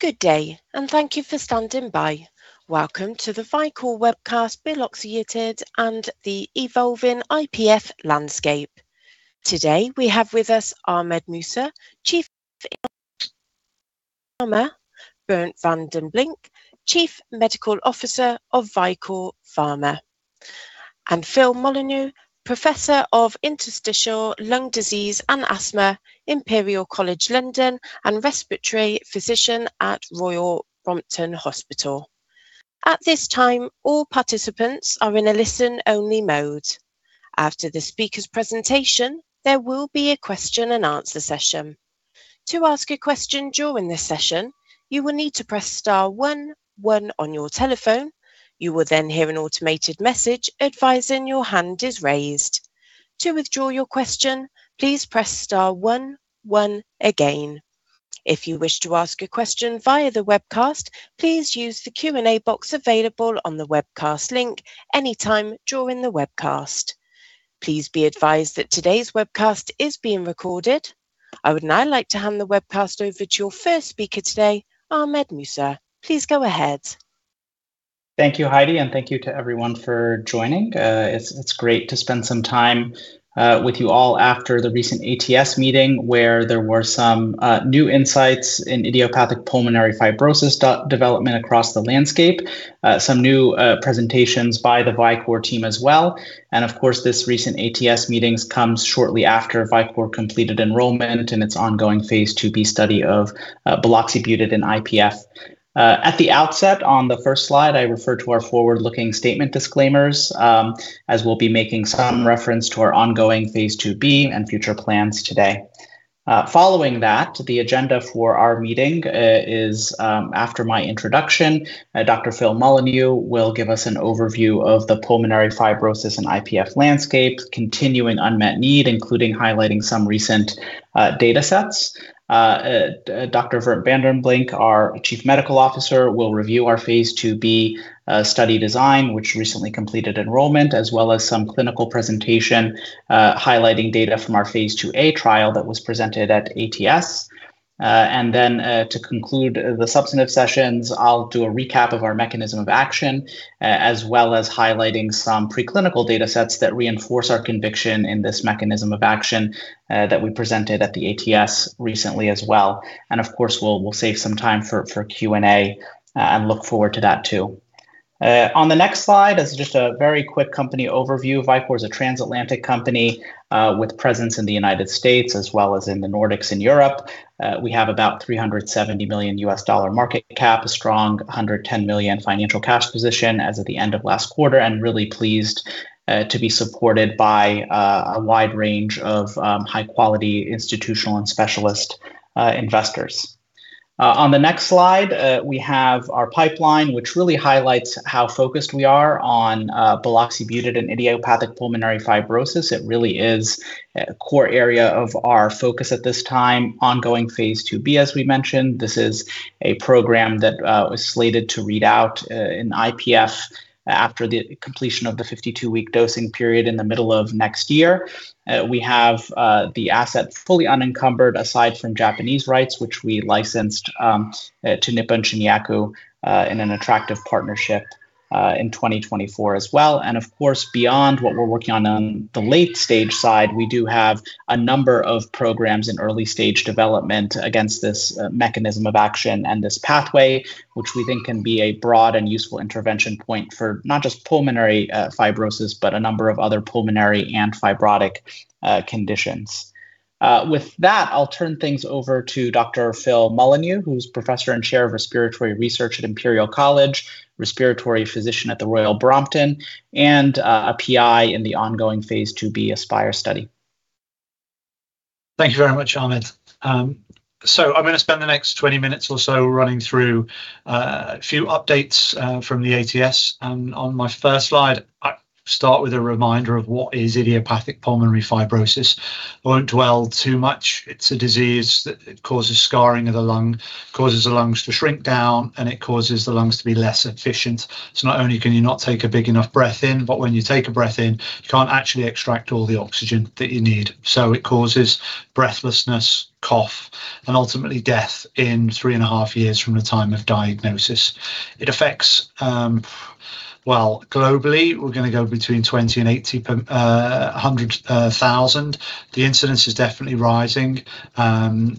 Good day, and thank you for standing by. Welcome to the Vicore webcast, buloxibutid and the Evolving IPF Landscape. Today we have with us Ahmed Mousa, Chief [Executive Officer] of Vicore Pharma, Bernt van den Blink, Chief Medical Officer of Vicore Pharma, and Phil Molyneaux, Professor of Interstitial Lung Disease and Asthma, Imperial College London, and respiratory physician at Royal Brompton Hospital. At this time, all participants are in a listen-only mode. After the speakers' presentation, there will be a question and answer session. To ask a question during this session, you will need to press star one one on your telephone. You will then hear an automated message advising your hand is raised. To withdraw your question, please press star one one again. If you wish to ask a question via the webcast, please use the Q&A box available on the webcast link anytime during the webcast. Please be advised that today's webcast is being recorded. I would now like to hand the webcast over to your first speaker today, Ahmed Mousa. Please go ahead. Thank you, Heidi. Thank you to everyone for joining. It's great to spend some time with you all after the recent ATS meeting, where there were some new insights in idiopathic pulmonary fibrosis development across the landscape, some new presentations by the Vicore team as well. Of course, this recent ATS meeting comes shortly after Vicore completed enrollment in its ongoing phase IIb study of buloxibutid and IPF. At the outset, on the first slide, I refer to our forward-looking statement disclaimers, as we'll be making some reference to our ongoing phase IIb and future plans today. Following that, the agenda for our meeting is, after my introduction, Dr. Scott Mullaney will give us an overview of the pulmonary fibrosis and IPF landscape, continuing unmet need, including highlighting some recent data sets. Dr. Bernt van den Blink, our Chief Medical Officer, will review our phase IIb study design, which recently completed enrollment, as well as some clinical presentation, highlighting data from our phase IIa trial that was presented at ATS. To conclude the substantive sessions, I'll do a recap of our mechanism of action, as well as highlighting some preclinical data sets that reinforce our conviction in this mechanism of action that we presented at the ATS recently as well. Of course, we'll save some time for Q&A, and look forward to that, too. On the next slide is just a very quick company overview. Vicore's a transatlantic company with presence in the U.S. as well as in the Nordics and Europe. We have about $370 million market cap, a strong $110 million financial cash position as of the end of last quarter, and really pleased to be supported by a wide range of high-quality institutional and specialist investors. On the next slide, we have our pipeline, which really highlights how focused we are on buloxibutid and idiopathic pulmonary fibrosis. It really is a core area of our focus at this time. Ongoing phase IIb, as we mentioned. This is a program that was slated to read out in IPF after the completion of the 52-week dosing period in the middle of next year. We have the asset fully unencumbered aside from Japanese rights, which we licensed to Nippon Shinyaku in an attractive partnership in 2024 as well. Of course, beyond what we're working on on the late-stage side, we do have a number of programs in early-stage development against this mechanism of action and this pathway, which we think can be a broad and useful intervention point for not just pulmonary fibrosis, but a number of other pulmonary and fibrotic conditions. With that, I'll turn things over to Dr. Phil Molyneaux, who's Professor and Chair of Respiratory Research at Imperial College, Respiratory Physician at the Royal Brompton, and a PI in the ongoing phase IIb ASPIRE study. Thank you very much, Ahmed. I'm going to spend the next 20 minutes or so running through a few updates from the ATS. On my first slide, I start with a reminder of what is idiopathic pulmonary fibrosis. I won't dwell too much. It's a disease that causes scarring of the lung, causes the lungs to shrink down, and it causes the lungs to be less efficient. Not only can you not take a big enough breath in, but when you take a breath in, you can't actually extract all the oxygen that you need. It causes breathlessness, cough, and ultimately death in three and a half years from the time of diagnosis. It affects, well, globally, we're going to go between 20 and 80 per 100,000. The incidence is definitely rising. None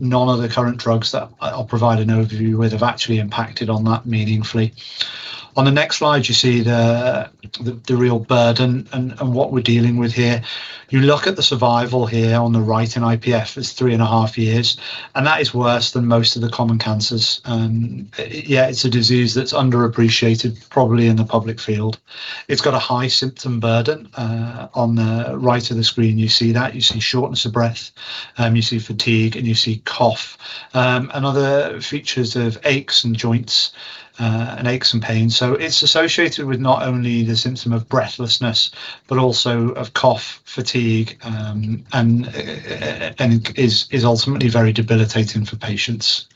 of the current drugs that I'll provide an overview with have actually impacted on that meaningfully. On the next slide, you see the real burden and what we're dealing with here. You look at the survival here on the right in IPF. It's three and a half years, and that is worse than most of the common cancers. Yeah, it's a disease that's underappreciated probably in the public field. It's got a high symptom burden. On the right of the screen, you see that. You see shortness of breath, you see fatigue, and you see cough, and other features of aches and joints, and aches and pains. It's associated with not only the symptom of breathlessness, but also of cough, fatigue, and is ultimately very debilitating for patients.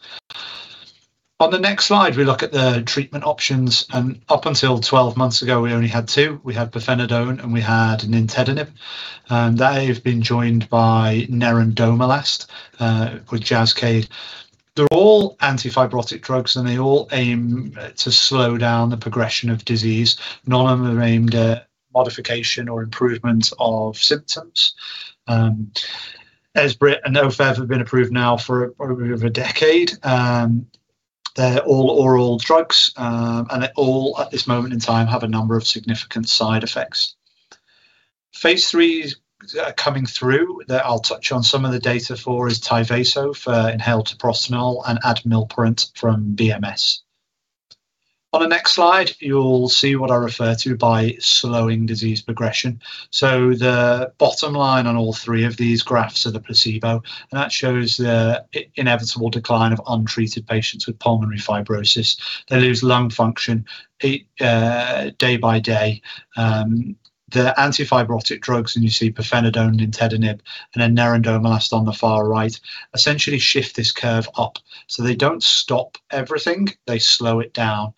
On the next slide, we look at the treatment options. Up until 12 months ago, we only had two. We had pirfenidone, and we had nintedanib, and they've been joined by nerandomilast, with Jascayd. They're all anti-fibrotic drugs, and they all aim to slow down the progression of disease. None of them are aimed at modification or improvement of symptoms. Esbriet and OFEV have been approved now for over a decade. They're all oral drugs, and they all, at this moment in time, have a number of significant side effects. Phase III is coming through. I'll touch on some of the data for TYVASO for inhaled treprostinil and Admilprint from Bristol Myers Squibb. On the next slide, you'll see what I refer to by slowing disease progression. The bottom line on all three of these graphs are the placebo, and that shows the inevitable decline of untreated patients with pulmonary fibrosis. They lose lung function day by day. The anti-fibrotic drugs, and you see pirfenidone, nintedanib, and then nerandomilast on the far right, essentially shift this curve up. They don't stop everything. They slow it down.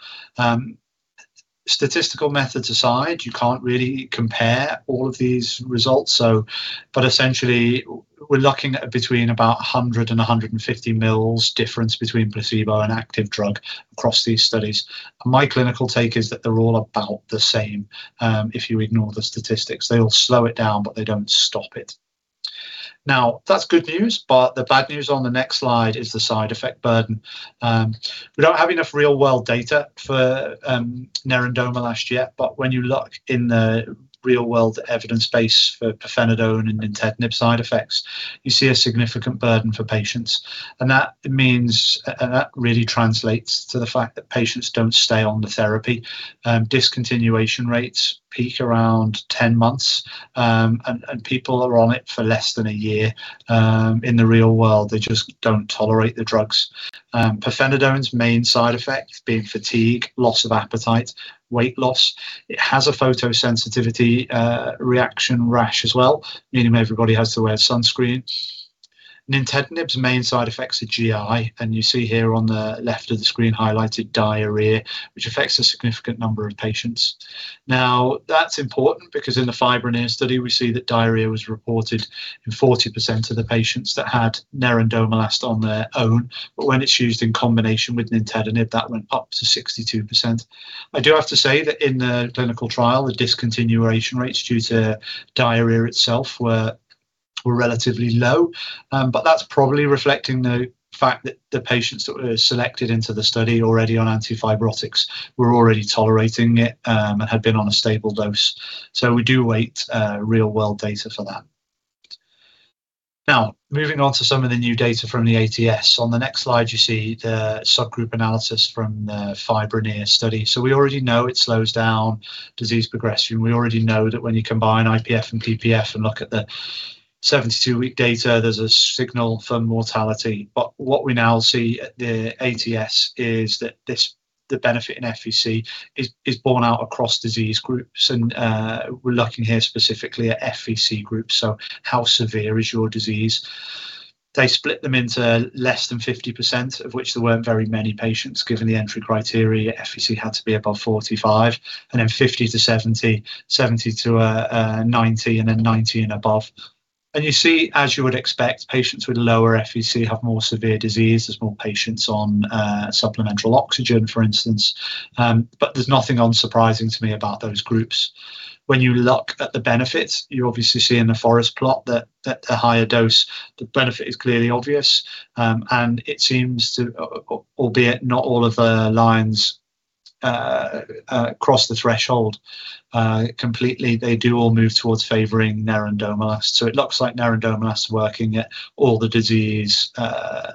Statistical methods aside, you can't really compare all of these results. Essentially, we're looking at between about 100 ml and 150 ml difference between placebo and active drug across these studies. My clinical take is that they're all about the same, if you ignore the statistics. They all slow it down, they don't stop it. That's good news, the bad news on the next slide is the side effect burden. We don't have enough real-world data for nerandomilast yet. When you look in the real-world evidence base for pirfenidone and nintedanib side effects, you see a significant burden for patients. That really translates to the fact that patients don't stay on the therapy. Discontinuation rates peak around 10 months. People are on it for less than a year. In the real world, they just don't tolerate the drugs. pirfenidone's main side effects being fatigue, loss of appetite, weight loss. It has a photosensitivity reaction rash as well, meaning everybody has to wear sunscreen. nintedanib's main side effects are GI, and you see here on the left of the screen highlighted diarrhea, which affects a significant number of patients. That's important because in the FIBRONEER study, we see that diarrhea was reported in 40% of the patients that had nerandomilast on their own. When it's used in combination with nintedanib, that went up to 62%. I do have to say that in the clinical trial, the discontinuation rates due to diarrhea itself were relatively low. That's probably reflecting the fact that the patients that were selected into the study already on anti-fibrotics were already tolerating it, and had been on a stable dose. We do wait real-world data for that. Moving on to some of the new data from the ATS. On the next slide, you see the subgroup analysis from the FIBRONEER study. We already know it slows down disease progression. We already know that when you combine IPF and PPF and look at the 72-week data, there's a signal for mortality. What we now see at the ATS is that the benefit in FVC is borne out across disease groups, and we're looking here specifically at FVC groups, so how severe is your disease? They split them into less than 50%, of which there weren't very many patients. Given the entry criteria, FVC had to be above 45, and then 50-70, 70-90, and then 90 and above. You see, as you would expect, patients with lower FVC have more severe disease. There's more patients on supplemental oxygen, for instance, but there's nothing unsurprising to me about those groups. You look at the benefits, you obviously see in the forest plot that at a higher dose, the benefit is clearly obvious, and it seems to, albeit not all of the lines cross the threshold completely. They do all move towards favoring nerandomilast. It looks like nerandomilast is working at all the disease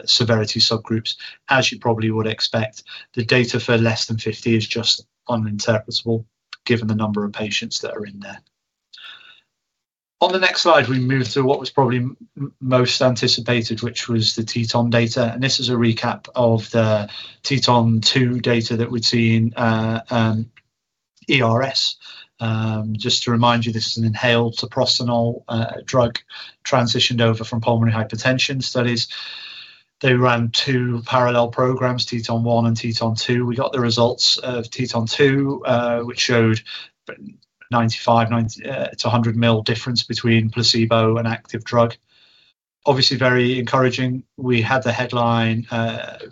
severity subgroups. As you probably would expect, the data for less than 50 is just uninterpretable given the number of patients that are in there. On the next slide, we move to what was probably most anticipated, which was the TETON data, and this is a recap of the TETON-2 data that we see in ERS. Just to remind you, this is an inhaled treprostinil drug transitioned over from pulmonary hypertension studies. They ran two parallel programs, TETON-1 and TETON-2. We got the results of TETON-2, which showed 95 to 100 mL difference between placebo and active drug. Obviously very encouraging. We had the headline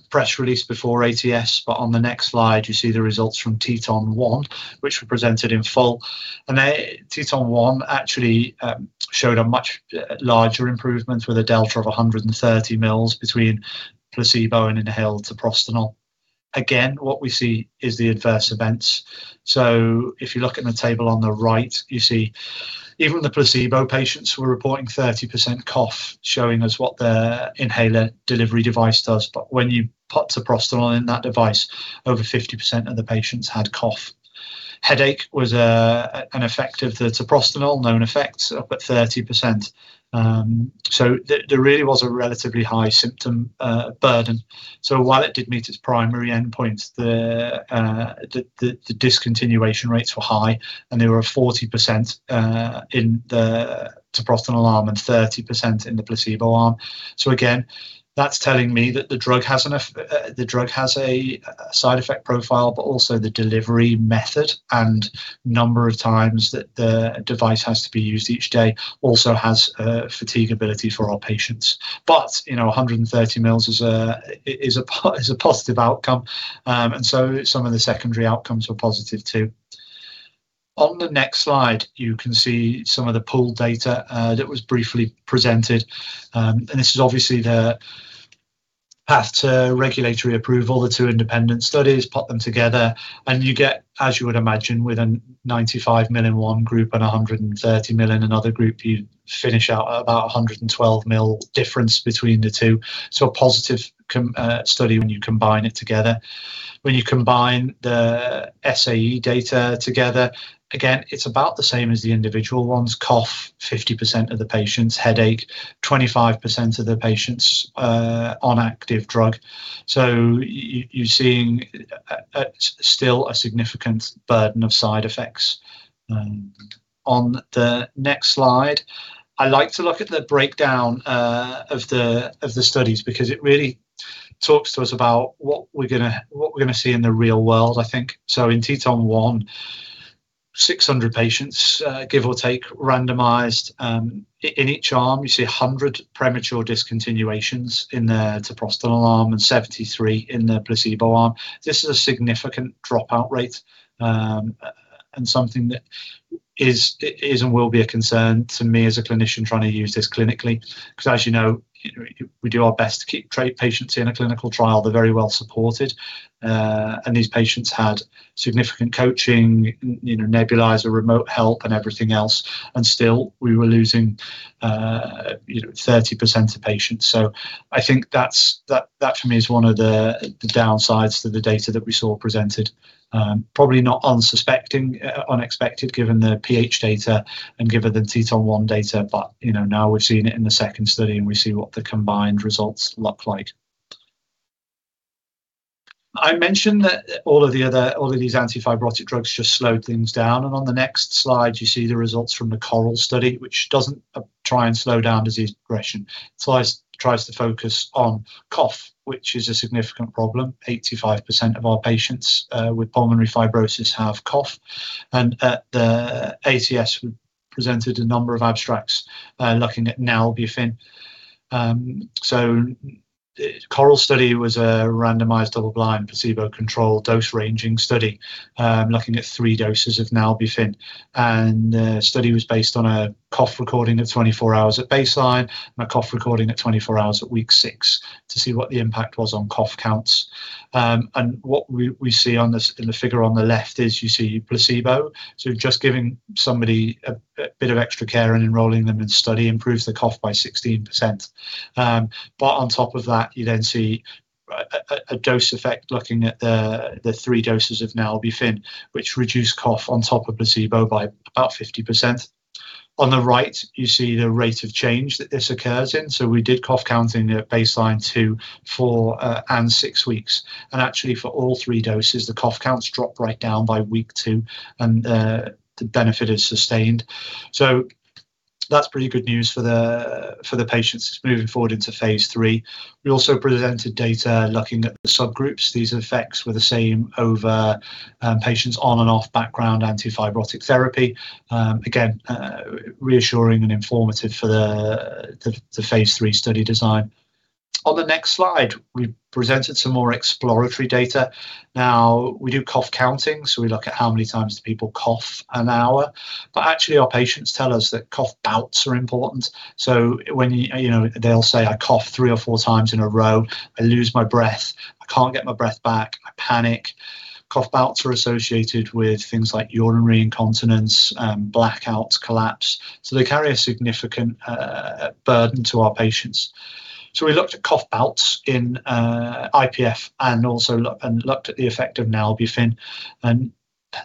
press release before ATS, on the next slide, you see the results from TETON-1, which were presented in full. TETON-1 actually showed a much larger improvement with a delta of 130 ml between placebo and inhaled treprostinil. Again, what we see is the adverse events. If you look in the table on the right, you see even the placebo patients were reporting 30% cough, showing us what their inhaler delivery device does. When you put treprostinil in that device, over 50% of the patients had cough. Headache was an effect of the treprostinil, known effects up at 30%. There really was a relatively high symptom burden. While it did meet its primary endpoint, the discontinuation rates were high, and they were 40% in the treprostinil arm and 30% in the placebo arm. Again, that's telling me that the drug has a side effect profile, but also the delivery method and number of times that the device has to be used each day also has fatigue ability for our patients. 130 ml is a positive outcome. Some of the secondary outcomes were positive, too. On the next slide, you can see some of the pool data that was briefly presented. This is obviously the path to regulatory approval, the two independent studies, put them together and you get, as you would imagine, with a 95 ml in one group and 130 ml in another group, you finish out about 112 ml difference between the two. A positive study when you combine it together. When you combine the SAE data together, again, it's about the same as the individual ones. Cough, 50% of the patients. Headache, 25% of the patients on active drug. You're seeing still a significant burden of side effects. On the next slide, I like to look at the breakdown of the studies, because it really talks to us about what we're going to see in the real world, I think. In TETON-1, 600 patients, give or take, randomized. In each arm, you see 100 premature discontinuations in the treprostinil arm and 73 in the placebo arm. This is a significant dropout rate, and something that is and will be a concern to me as a clinician trying to use this clinically. As you know, we do our best to keep patients in a clinical trial. They're very well-supported. These patients had significant coaching, nebulizer, remote help, and everything else, and still we were losing 30% of patients. I think that, for me, is one of the downsides to the data that we saw presented. Probably not unexpected given the PH data and given the TETON-1 data, but now we've seen it in the second study, and we see what the combined results look like. I mentioned that all of these anti-fibrotic drugs just slowed things down. On the next slide, you see the results from the CORAL study, which doesn't try and slow down disease progression. It tries to focus on cough, which is a significant problem. 85% of our patients with pulmonary fibrosis have cough. At the ATS, we presented a number of abstracts looking at nalbuphine. CORAL study was a randomized, double-blind, placebo-controlled, dose-ranging study, looking at three doses of nalbuphine. The study was based on a cough recording at 24 hours at baseline and a cough recording at 24 hours at week six, to see what the impact was on cough counts. What we see in the figure on the left is you see placebo. Just giving somebody a bit of extra care and enrolling them in the study improves the cough by 16%. On top of that, you then see a dose effect looking at the three doses of nalbuphine, which reduce cough on top of placebo by about 50%. On the right, you see the rate of change that this occurs in. We did cough counting at baseline two, four, and six weeks. Actually, for all three doses, the cough counts drop right down by week two, and the benefit is sustained. That's pretty good news for the patients moving forward into phase III. We also presented data looking at the subgroups. These effects were the same over patients on and off background anti-fibrotic therapy. Again, reassuring and informative for the phase III study design. On the next slide, we presented some more exploratory data. We do cough counting, so we look at how many times do people cough an hour. Actually, our patients tell us that cough bouts are important. They'll say, "I cough three or four times in a row. I lose my breath. I can't get my breath back. I panic." Cough bouts are associated with things like urinary incontinence, blackouts, collapse, so they carry a significant burden to our patients. We looked at cough bouts in IPF and also looked at the effect of nalbuphine.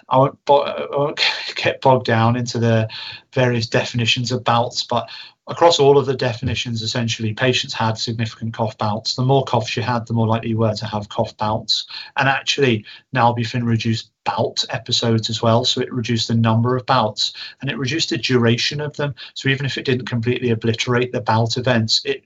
I won't get bogged down into the various definitions of bouts, but across all of the definitions, essentially, patients had significant cough bouts. The more coughs you had, the more likely you were to have cough bouts. Actually, nalbuphine reduced bout episodes as well. It reduced the number of bouts, and it reduced the duration of them. Even if it didn't completely obliterate the bout events, it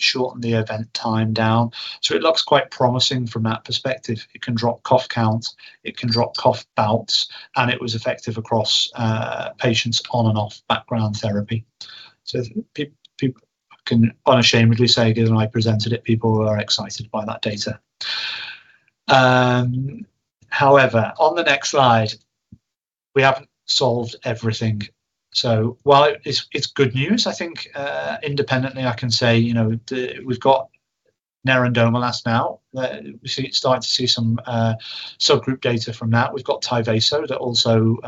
shortened the event time down. It looks quite promising from that perspective. It can drop cough count, it can drop cough bouts, and it was effective across patients on and off background therapy. I can unashamedly say, given I presented it, people are excited by that data. On the next slide, we haven't solved everything. While it's good news, I think independently I can say we've got nerandomilast now. We're starting to see some subgroup data from that. We've got TYVASO that also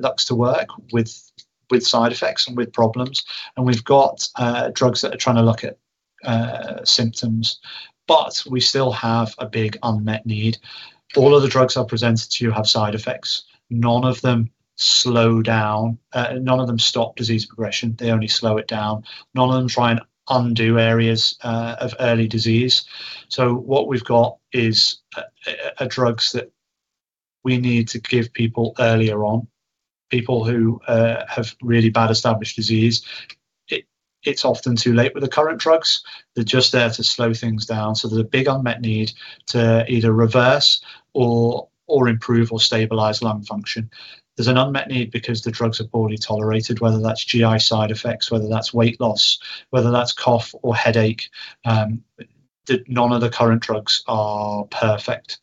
looks to work, with side effects and with problems. We've got drugs that are trying to look at symptoms, but we still have a big unmet need. All of the drugs I've presented to you have side effects. None of them stop disease progression. They only slow it down. None of them try and undo areas of early disease. What we've got is drugs that we need to give people earlier on, people who have really bad established disease. It's often too late with the current drugs. They're just there to slow things down. There's a big unmet need to either reverse or improve or stabilize lung function. There's an unmet need because the drugs are poorly tolerated, whether that's GI side effects, whether that's weight loss, whether that's cough or headache. None of the current drugs are perfect,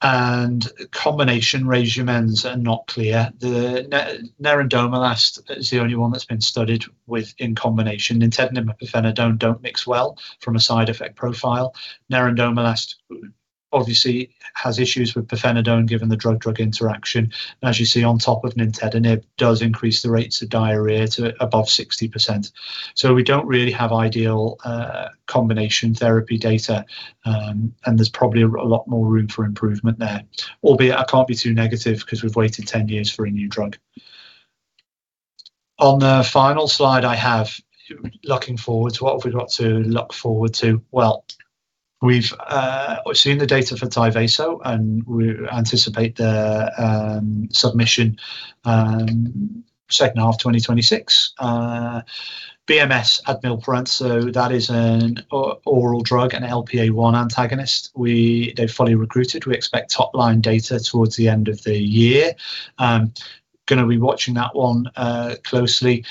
and combination regimens are not clear. The nerandomilast is the only one that's been studied in combination. nintedanib and pirfenidone don't mix well from a side effect profile. nerandomilast obviously has issues with pirfenidone given the drug-drug interaction. As you see on top of nintedanib, does increase the rates of diarrhea to above 60%. We don't really have ideal combination therapy data, and there's probably a lot more room for improvement there. Albeit I can't be too negative because we've waited 10 years for a new drug. On the final slide I have, looking forwards, what have we got to look forward to? We've seen the data for TYVASO. We anticipate the submission second half 2026. BMS, Adempas. That is an oral drug and LPA1 antagonist. They've fully recruited. We expect top-line data towards the end of the year. Going to be watching that one closely.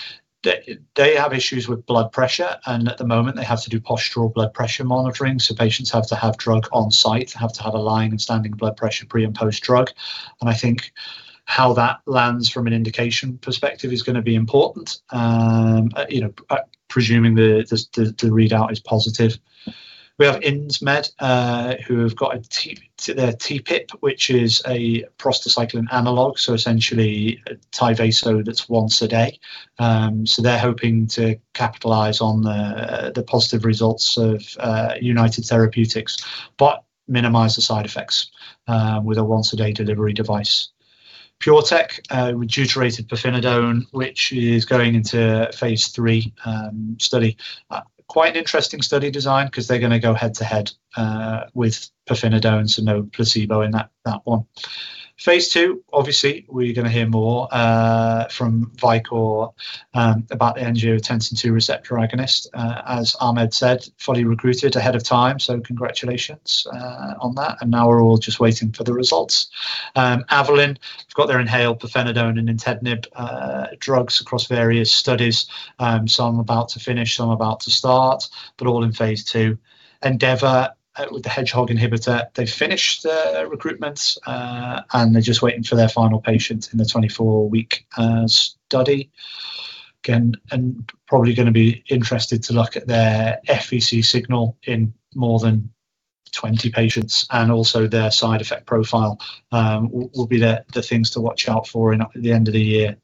They have issues with blood pressure, and at the moment, they have to do postural blood pressure monitoring, so patients have to have drug on-site, have to have a lying and standing blood pressure pre and post-drug. I think how that lands from an indication perspective is going to be important, presuming the readout is positive. We have Insmed, who have got their TPIP, which is a prostacyclin analog, essentially TYVASO that's once a day. They're hoping to capitalize on the positive results of United Therapeutics, but minimize the side effects with a once-a-day delivery device. PureTech, with deuterated pirfenidone, which is going into a phase III study. Quite an interesting study design because they are going to go head-to-head with pirfenidone, no placebo in that one. Phase II, obviously, we are going to hear more from Vicore about the angiotensin II receptor agonist. As Ahmed said, fully recruited ahead of time, congratulations on that. Avalyn's got their inhaled pirfenidone and nintedanib drugs across various studies. Some about to finish, some about to start, all in phase II. Endeavor, with the hedgehog inhibitor, they have finished their recruitment, they are just waiting for their final patient in the 24-week study. Again, probably going to be interested to look at their FVC signal in more than 20 patients, also their side effect profile will be the things to watch out for in the end of the year.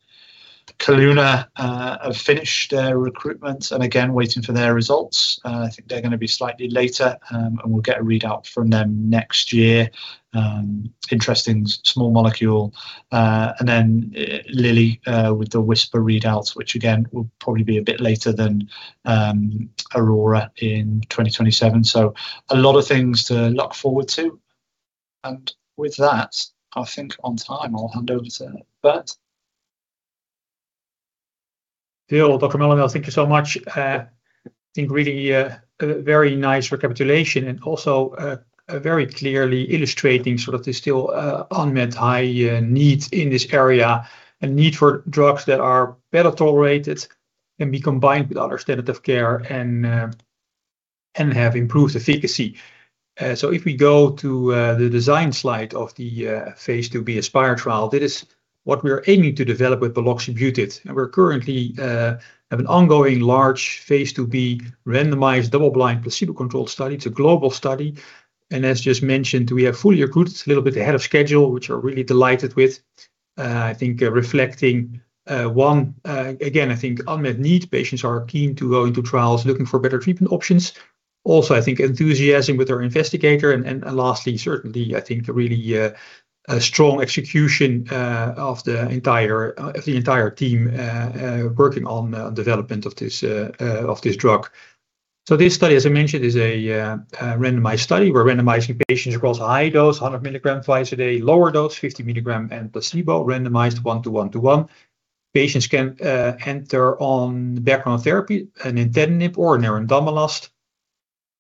Calluna have finished their recruitment, again, waiting for their results. I think they are going to be slightly later, we will get a readout from them next year. Interesting small molecule. Lilly with the WHISPER readouts, which again, will probably be a bit later than AURORA in 2027. A lot of things to look forward to. With that, I think on time, I will hand over to Bernt. Phil Molyneaux, thank you so much. I think really a very nice recapitulation, very clearly illustrating sort of the still unmet high needs in this area, a need for drugs that are better tolerated, be combined with other standard of care, and have improved efficacy. If we go to the design slide of the Phase IIb ASPIRE trial, that is what we are aiming to develop with buloxibutid. We currently have an ongoing large phase IIb randomized double-blind placebo-controlled study. It is a global study. As just mentioned, we have fully recruited, a little bit ahead of schedule, which we are really delighted with. I think reflecting, one, again, unmet need. Patients are keen to go into trials looking for better treatment options. Also, enthusiasm with our investigator. Lastly, certainly, the really strong execution of the entire team working on development of this drug. This study, as I mentioned, is a randomized study. We are randomizing patients across high dose, 100 milligram twice a day, lower dose, 50 milligram, and placebo, randomized 1:1:1. Patients can enter on background therapy, a nintedanib or a nerindone malonate,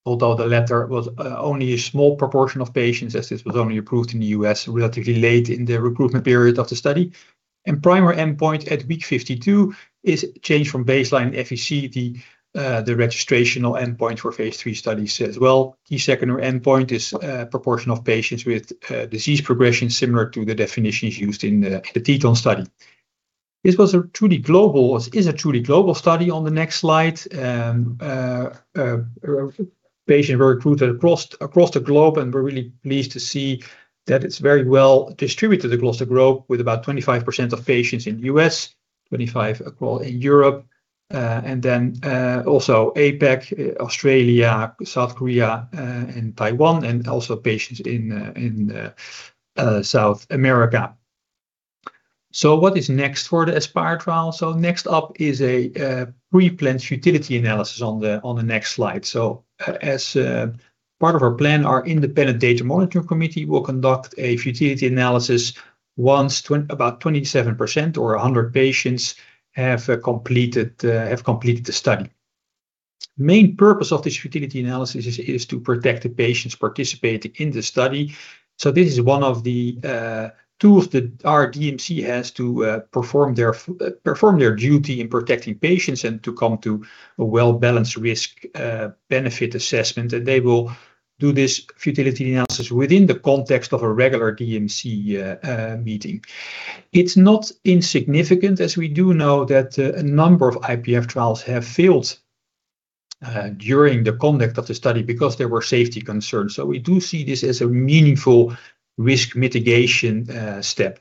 although the latter was only a small proportion of patients, as this was only approved in the U.S. relatively late in the recruitment period of the study. Primary endpoint at week 52 is change from baseline FVC, the registrational endpoint for phase III studies as well. Key secondary endpoint is proportion of patients with disease progression similar to the definitions used in the TETON study. This is a truly global study on the next slide. Patients were recruited across the globe. We're really pleased to see that it's very well distributed across the globe with about 25% of patients in the U.S., 25 across in Europe. Also APAC, Australia, South Korea, and Taiwan, and also patients in South America. What is next for the ASPIRE trial? Next up is a pre-planned futility analysis on the next slide. As part of our plan, our independent data monitoring committee will conduct a futility analysis once about 27% or 100 patients have completed the study. Main purpose of this futility analysis is to protect the patients participating in the study. This is one of the tools that our DMC has to perform their duty in protecting patients and to come to a well-balanced risk-benefit assessment. They will do this futility analysis within the context of a regular DMC meeting. It's not insignificant, as we do know that a number of IPF trials have failed during the conduct of the study because there were safety concerns. We do see this as a meaningful risk mitigation step.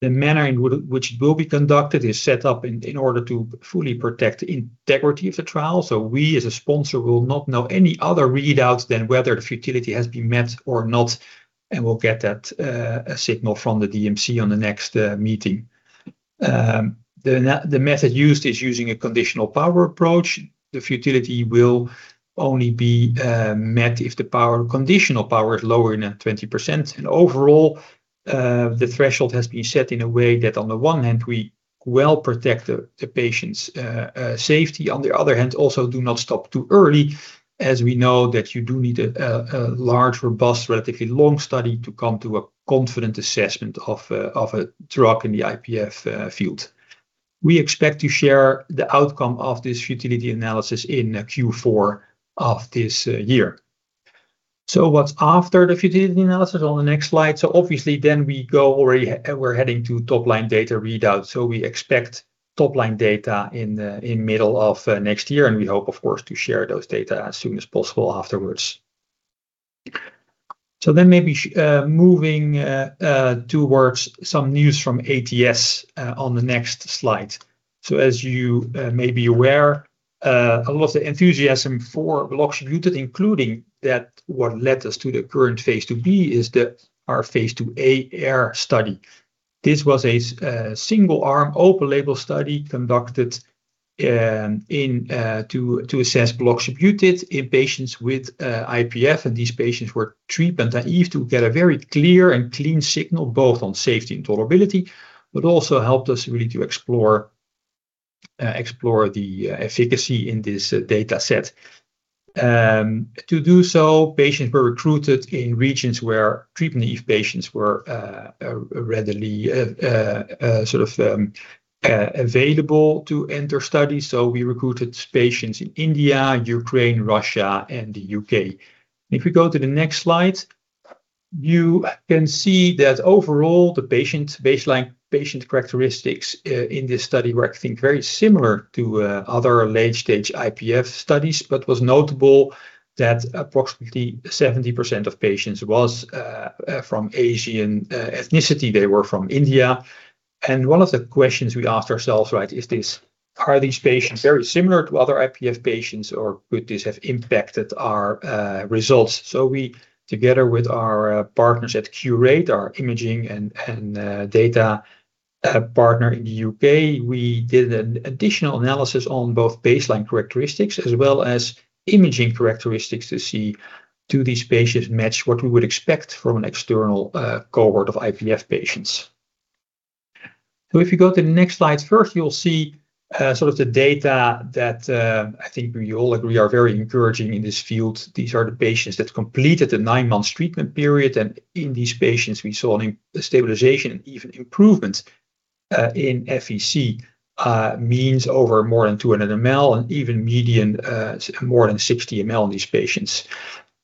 The manner in which it will be conducted is set up in order to fully protect the integrity of the trial. We, as a sponsor, will not know any other readouts than whether the futility has been met or not, and we'll get that signal from the DMC on the next meeting. The method used is using a conditional power approach. The futility will only be met if the conditional power is lower than 20%. Overall, the threshold has been set in a way that on the one hand, we well-protect the patient's safety, on the other hand, also do not stop too early as we know that you do need a large, robust, relatively long study to come to a confident assessment of a drug in the IPF field. We expect to share the outcome of this futility analysis in Q4 of this year. What's after the futility analysis on the next slide? Obviously, we're heading to top-line data readout. We expect top-line data in middle of next year, and we hope, of course, to share those data as soon as possible afterwards. Maybe moving towards some news from ATS on the next slide. As you may be aware, a lot of the enthusiasm for buloxibutid, including that what led us to the current phase IIb is our phase IIa AIR study. This was a single-arm open-label study conducted to assess buloxibutid in patients with IPF, and these patients were treatment-naive to get a very clear and clean signal, both on safety and tolerability, but also helped us really to explore the efficacy in this data set. To do so, patients were recruited in regions where treatment-naive patients were readily available to enter studies. We recruited patients in India, Ukraine, Russia, and the U.K. If we go to the next slide, you can see that overall, the baseline patient characteristics in this study were, I think, very similar to other late-stage IPF studies, but was notable that approximately 70% of patients was from Asian ethnicity. They were from India. One of the questions we asked ourselves, are these patients very similar to other IPF patients, or could this have impacted our results? We, together with our partners at Qure.ai, our imaging and data partner in the U.K., we did an additional analysis on both baseline characteristics as well as imaging characteristics to see, do these patients match what we would expect from an external cohort of IPF patients? If you go to the next slide, first you will see the data that I think we all agree are very encouraging in this field. These are the patients that completed the nine-month treatment period. In these patients, we saw a stabilization and even improvement in FVC means over more than 200 ml and even median more than 60 ml in these patients.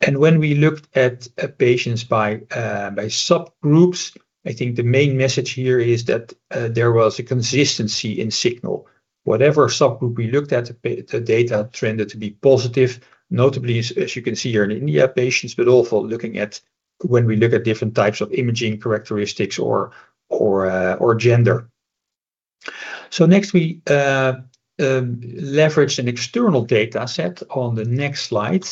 When we looked at patients by subgroups, I think the main message here is that there was a consistency in signal. Whatever subgroup we looked at, the data tended to be positive, notably, as you can see here in India patients, but also when we look at different types of imaging characteristics or gender. Next we leverage an external data set on the next slide,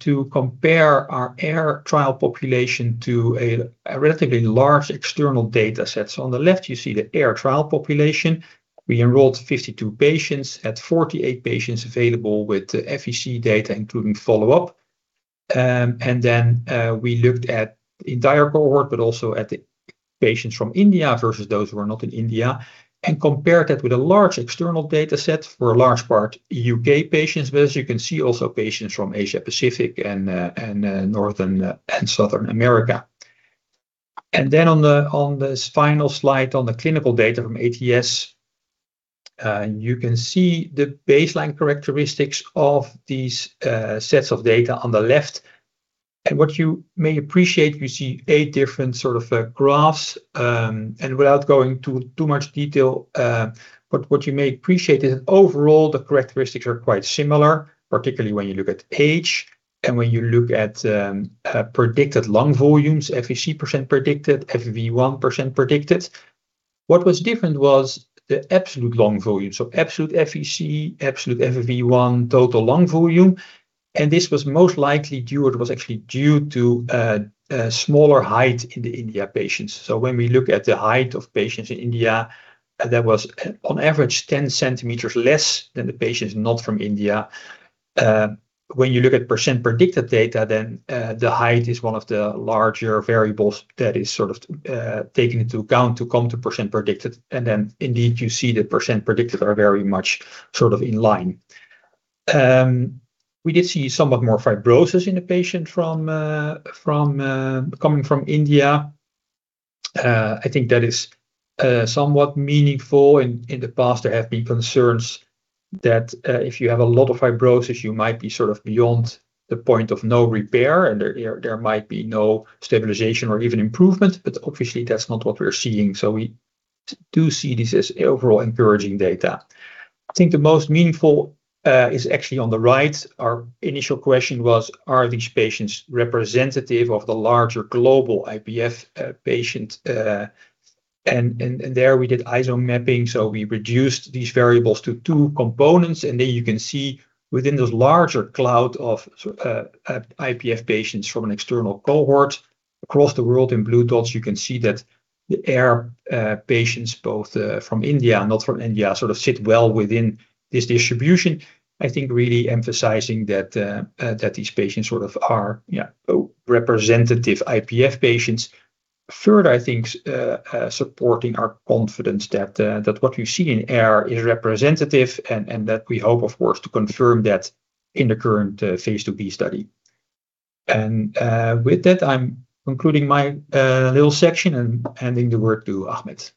to compare our AIR trial population to a relatively large external data set. On the left, you see the AIR trial population. We enrolled 52 patients, had 48 patients available with the FVC data, including follow-up. We looked at the entire cohort, but also at the patients from India versus those who are not in India, and compared that with a large external data set, for a large part U.K. patients, but as you can see, also patients from Asia-Pacific and Northern and Southern America. On this final slide on the clinical data from ATS, you can see the baseline characteristics of these sets of data on the left. What you may appreciate, you see eight different sort of graphs, and without going to too much detail, but what you may appreciate is that overall the characteristics are quite similar, particularly when you look at age. When you look at predicted lung volumes, FVC percent predicted, FEV1 % predicted, what was different was the absolute lung volume. Absolute FVC, absolute FEV1, total lung volume and this was most likely due to smaller height in the India patients. When we look at the height of patients in India, that was on average 10 centimeters less than the patients not from India. When you look at percent predicted data, then the height is one of the larger variables that is sort of taken into account to come to percent predicted, and then indeed you see the percent predicted are very much sort of in line. We did see somewhat more fibrosis in the patient coming from India. I think that is somewhat meaningful. In the past, there have been concerns that if you have a lot of fibrosis you might be beyond the point of no repair and there might be no stabilization or even improvement, but obviously that's not what we're seeing, so we do see this as overall encouraging data. I think the most meaningful is actually on the right. Our initial question was, are these patients representative of the larger global IPF patient? There we did Isomap, so we reduced these variables to two components, and there you can see within those larger cloud of IPF patients from an external cohort across the world in blue dots, you can see that the AIR patients, both from India and not from India, sit well within this distribution. I think really emphasizing that these patients are representative IPF patients. Third, I think supporting our confidence that what we see in AIR is representative and that we hope, of course, to confirm that in the current phase IIb study. With that, I'm concluding my little section and handing the work to Ahmed.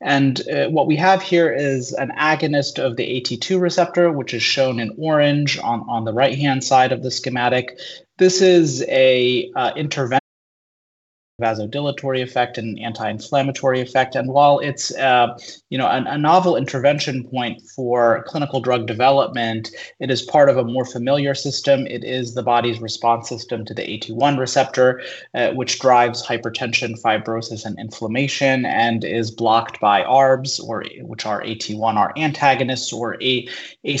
What we have here is an agonist of the AT2 receptor, which is shown in orange on the right-hand side of the schematic. This is an intervention vasodilatory effect, an anti-inflammatory effect, and while it's a novel intervention point for clinical drug development, it is part of a more familiar system. It is the body's response system to the AT1 receptor, which drives hypertension, fibrosis, and inflammation, and is blocked by ARBs, which are AT1 antagonists or ACE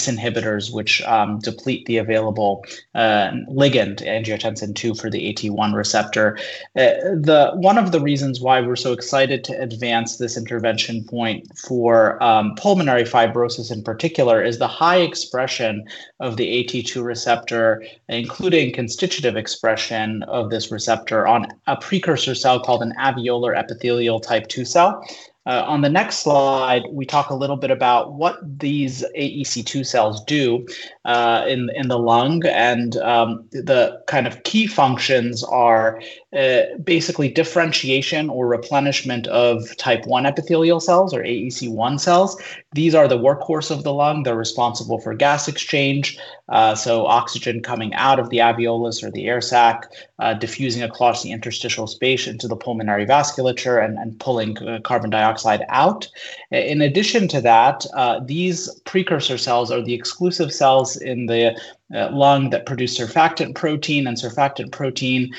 inhibitors, which deplete the available ligand, angiotensin II for the AT1 receptor. One of the reasons why we're so excited to advance this intervention point for pulmonary fibrosis in particular is the high expression of the AT2 receptor, including constitutive expression of this receptor on a precursor cell called an alveolar epithelial type 2 cell. dioxide out. In addition to that, these precursor cells are the exclusive cells in the lung that produce surfactant protein, and surfactant protein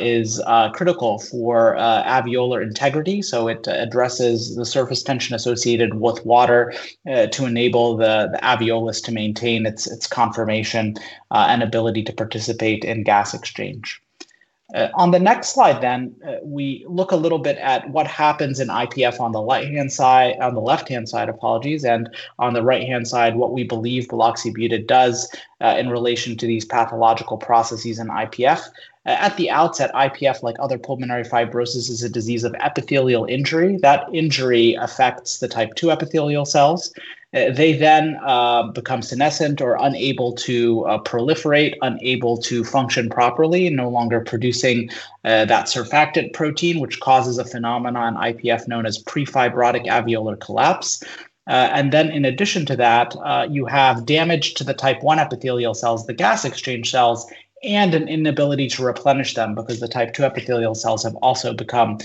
is critical for alveolar integrity. So it addresses the surface tension associated with water to enable the alveolus to maintain its confirmation and ability to participate in gas exchange. On the next slide, we look a little bit at what happens in IPF on the left-hand side, and on the right-hand side, what we believe buloxibutid does in relation to these pathological processes in IPF. At the outset, IPF, like other pulmonary fibrosis, is a disease of epithelial injury. That injury affects the type 2 epithelial cells. They then become senescent or unable to proliferate, unable to function properly, no longer producing that surfactant protein, which causes a phenomenon in IPF known as pre-fibrotic alveolar collapse. In addition to that, you have damage to the type 1 epithelial cells, the gas exchange cells, and an inability to replenish them because the type 2 epithelial cells have also become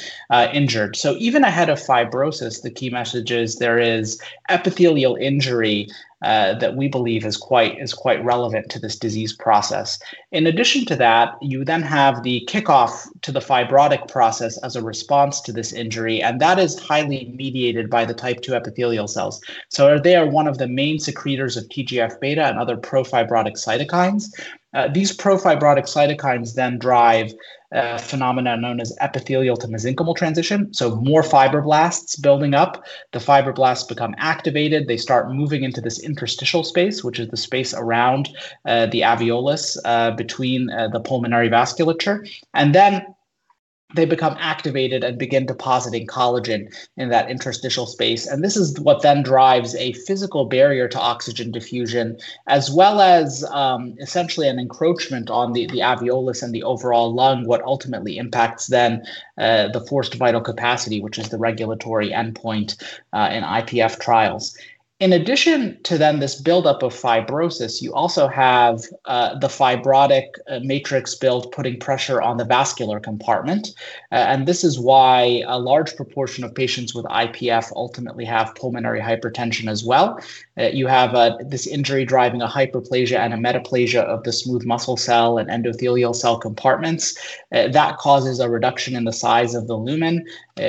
injured. Even ahead of fibrosis, the key message is there is epithelial injury that we believe is quite relevant to this disease process. In addition to that, you have the kickoff to the fibrotic process as a response to this injury, and that is highly mediated by the type 2 epithelial cells. They are one of the main secretors of TGF-beta and other pro-fibrotic cytokines. These pro-fibrotic cytokines drive a phenomenon known as epithelial-to-mesenchymal transition, so more fibroblasts building up. The fibroblasts become activated. They start moving into this interstitial space, which is the space around the alveolus between the pulmonary vasculature. They become activated and begin depositing collagen in that interstitial space. This is what drives a physical barrier to oxygen diffusion, as well as essentially an encroachment on the alveolus and the overall lung, what ultimately impacts the forced vital capacity, which is the regulatory endpoint in IPF trials. In addition to this buildup of fibrosis, you also have the fibrotic matrix build putting pressure on the vascular compartment. This is why a large proportion of patients with IPF ultimately have pulmonary hypertension as well. You have this injury driving a hyperplasia and a metaplasia of the smooth muscle cell and endothelial cell compartments. That causes a reduction in the size of the lumen,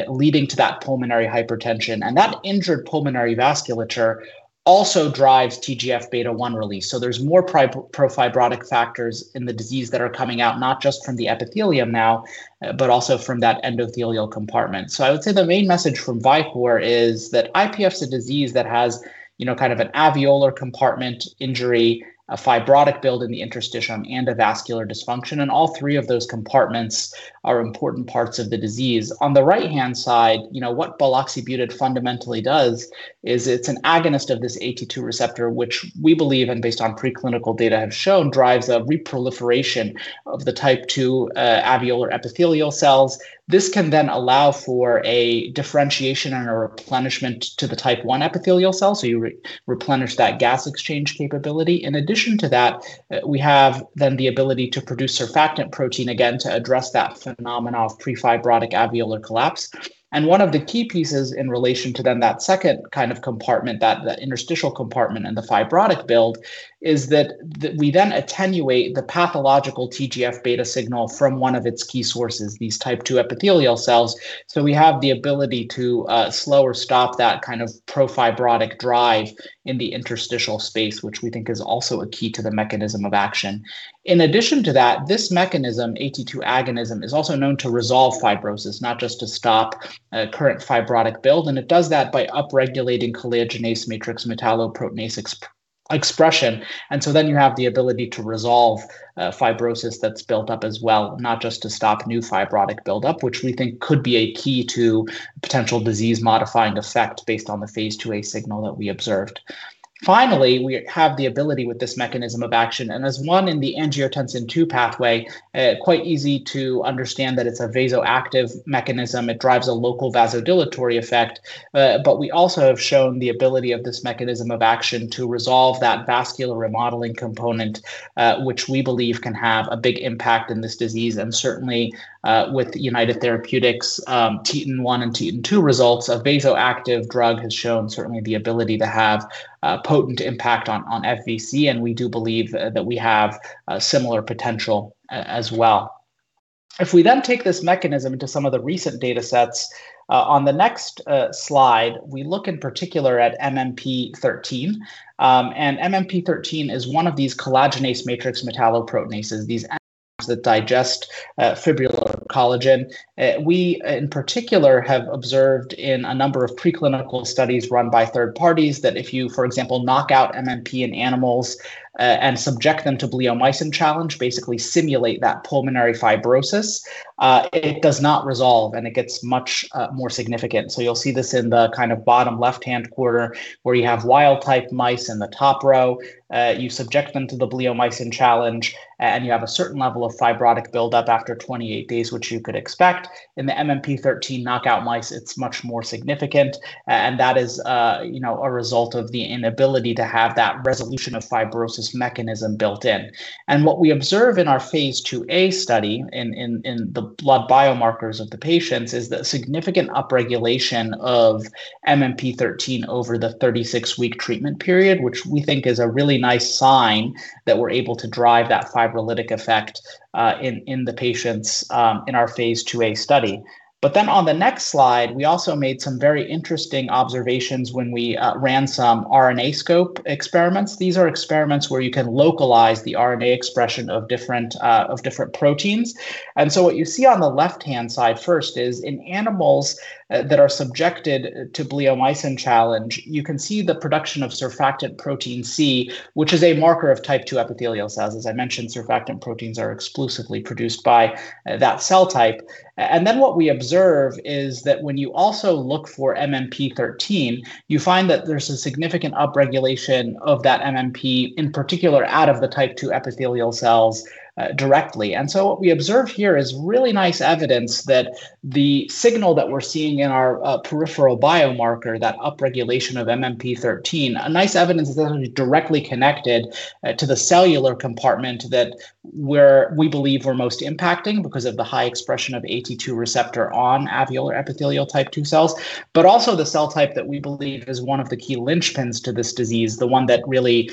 leading to that pulmonary hypertension. That injured pulmonary vasculature also drives TGF-beta1 release. There's more pro-fibrotic factors in the disease that are coming out, not just from the epithelium now, but also from that endothelial compartment. I would say the main message from Vicore is that IPF is a disease that has an alveolar compartment injury, a fibrotic build in the interstitium, and a vascular dysfunction, and all three of those compartments are important parts of the disease. On the right-hand side, what buloxibutid fundamentally does is it's an agonist of this AT2 receptor, which we believe, and based on preclinical data, have shown drives a reproliferation of the type 2 alveolar epithelial cells. This can allow for a differentiation and a replenishment to the type 1 epithelial cell, so you replenish that gas exchange capability. In addition to that, we have the ability to produce surfactant protein again to address that phenomena of prefibrotic alveolar collapse. One of the key pieces in relation to that second kind of compartment, that interstitial compartment and the fibrotic build, is that we attenuate the pathological TGF-beta signal from one of its key sources, these type 2 epithelial cells. We have the ability to slow or stop that kind of pro-fibrotic drive in the interstitial space, which we think is also a key to the mechanism of action. In addition to that, this mechanism, AT2 agonism, is also known to resolve fibrosis, not just to stop a current fibrotic build, and it does that by upregulating collagenase matrix metalloproteinase expression. You have the ability to resolve fibrosis that's built up as well, not just to stop new fibrotic buildup, which we think could be a key to potential disease-modifying effect based on the phase IIa signal that we observed. Finally, we have the ability with this mechanism of action, and as one in the angiotensin II pathway, quite easy to understand that it's a vasoactive mechanism. It drives a local vasodilatory effect. We also have shown the ability of this mechanism of action to resolve that vascular remodeling component, which we believe can have a big impact in this disease, and certainly, with United Therapeutics, TETON-1 and TETON-2 results, a vasoactive drug has shown certainly the ability to have a potent impact on FVC, and we do believe that we have a similar potential as well. If we take this mechanism to some of the recent data sets, on the next slide, we look in particular at MMP13. MMP13 is one of these collagenase matrix metalloproteinases, these enzymes that digest fibrillar collagen. We, in particular, have observed in a number of preclinical studies run by third parties that if you, for example, knock out MMP in animals and subject them to bleomycin challenge, basically simulate that pulmonary fibrosis, it does not resolve, and it gets much more significant. You'll see this in the bottom left-hand quarter, where you have wild-type mice in the top row. You subject them to the bleomycin challenge, and you have a certain level of fibrotic buildup after 28 days, which you could expect. In the MMP13 knockout mice, it's much more significant, and that is a result of the inability to have that resolution of fibrosis mechanism built in. What we observe in our phase IIa study in the blood biomarkers of the patients is the significant upregulation of MMP13 over the 36-week treatment period, which we think is a really nice sign that we're able to drive that fibrolytic effect in the patients in our phase IIa study. On the next slide, we also made some very interesting observations when we ran some RNAscope experiments. These are experiments where you can localize the RNA expression of different proteins. What you see on the left-hand side first is in animals that are subjected to bleomycin challenge, you can see the production of surfactant protein C, which is a marker of type 2 epithelial cells. As I mentioned, surfactant proteins are exclusively produced by that cell type. What we observe is that when you also look for MMP13, you find that there's a significant upregulation of that MMP, in particular, out of the type 2 epithelial cells directly. What we observe here is really nice evidence that the signal that we're seeing in our peripheral biomarker, that upregulation of MMP13, a nice evidence that that is directly connected to the cellular compartment that where we believe we're most impacting because of the high expression of AT2 receptor on alveolar epithelial type 2 cells. Also the cell type that we believe is one of the key linchpins to this disease, the one that really,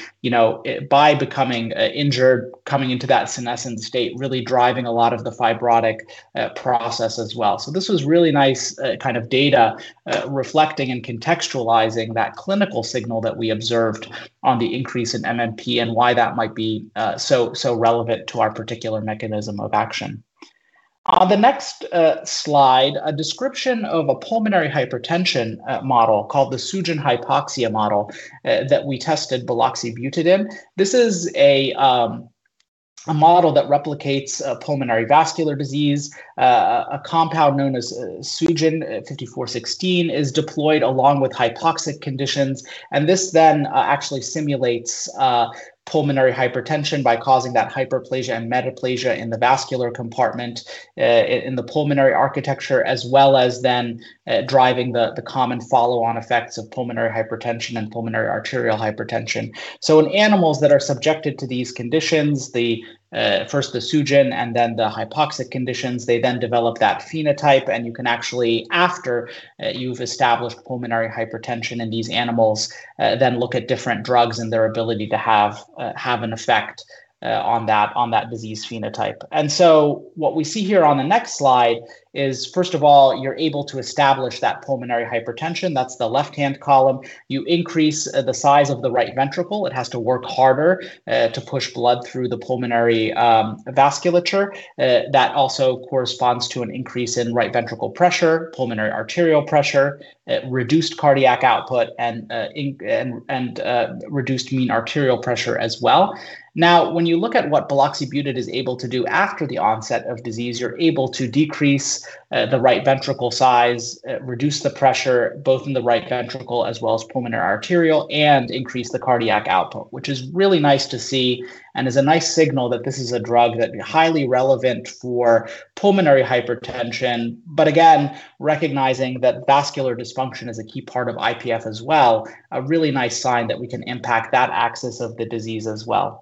by becoming injured, coming into that senescent state, really driving a lot of the fibrotic process as well. This was really nice data reflecting and contextualizing that clinical signal that we observed on the increase in MMP and why that might be so relevant to our particular mechanism of action. On the next slide, a description of a pulmonary hypertension model called the Sugen-Hypoxia model that we tested buloxibutid in. This is a model that replicates pulmonary vascular disease, a compound known as Sugen 5416, is deployed along with hypoxic conditions. This then actually simulates pulmonary hypertension by causing that hyperplasia and metaplasia in the vascular compartment in the pulmonary architecture, as well as then driving the common follow-on effects of pulmonary hypertension and pulmonary arterial hypertension. In animals that are subjected to these conditions, first the Sugen and then the hypoxic conditions, they then develop that phenotype, and you can actually, after you've established pulmonary hypertension in these animals, then look at different drugs and their ability to have an effect on that disease phenotype. What we see here on the next slide is, first of all, you're able to establish that pulmonary hypertension. That's the left-hand column. You increase the size of the right ventricle. It has to work harder to push blood through the pulmonary vasculature. That also corresponds to an increase in right ventricle pressure, pulmonary arterial pressure, reduced cardiac output, and reduced mean arterial pressure as well. Now, when you look at what buloxibutid is able to do after the onset of disease, you're able to decrease the right ventricle size, reduce the pressure, both in the right ventricle as well as pulmonary arterial, and increase the cardiac output, which is really nice to see and is a nice signal that this is a drug that highly relevant for pulmonary hypertension. Again, recognizing that vascular dysfunction is a key part of IPF as well, a really nice sign that we can impact that axis of the disease as well.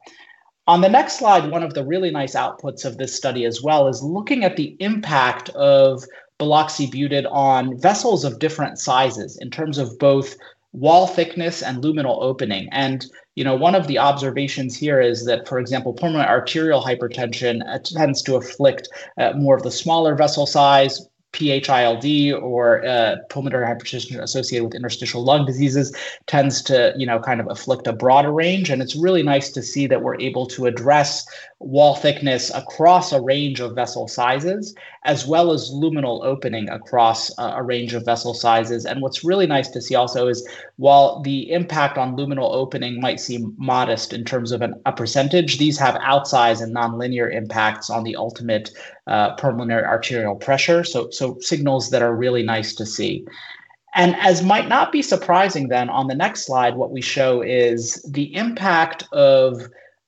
On the next slide, one of the really nice outputs of this study as well is looking at the impact of buloxibutid on vessels of different sizes in terms of both wall thickness and luminal opening. One of the observations here is that, for example, pulmonary arterial hypertension tends to afflict more of the smaller vessel size. PH-ILD, or pulmonary hypertension associated with interstitial lung diseases, tends to kind of afflict a broader range. It's really nice to see that we're able to address wall thickness across a range of vessel sizes, as well as luminal opening across a range of vessel sizes. What's really nice to see also is while the impact on luminal opening might seem modest in terms of a percentage, these have outsize and nonlinear impacts on the ultimate pulmonary arterial pressure. Signals that are really nice to see. As might not be surprising, on the next slide, what we show is the impact of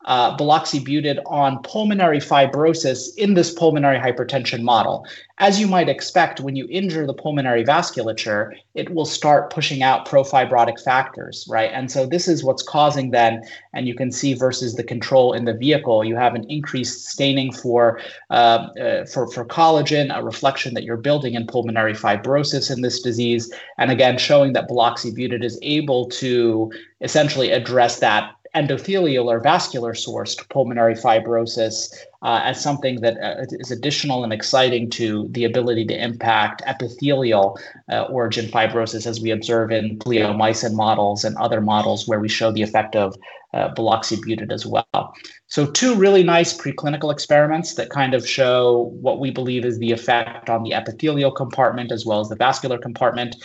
buloxibutid on pulmonary fibrosis in this pulmonary hypertension model. As you might expect when you injure the pulmonary vasculature, it will start pushing out pro-fibrotic factors, right? This is what's causing, and you can see versus the control in the vehicle, you have an increased staining for collagen, a reflection that you're building in pulmonary fibrosis in this disease. Again, showing that buloxibutid is able to essentially address that endothelial or vascular sourced pulmonary fibrosis as something that is additional and exciting to the ability to impact epithelial origin fibrosis as we observe in bleomycin models and other models where we show the effect of buloxibutid as well. Two really nice preclinical experiments that kind of show what we believe is the effect on the epithelial compartment as well as the vascular compartment.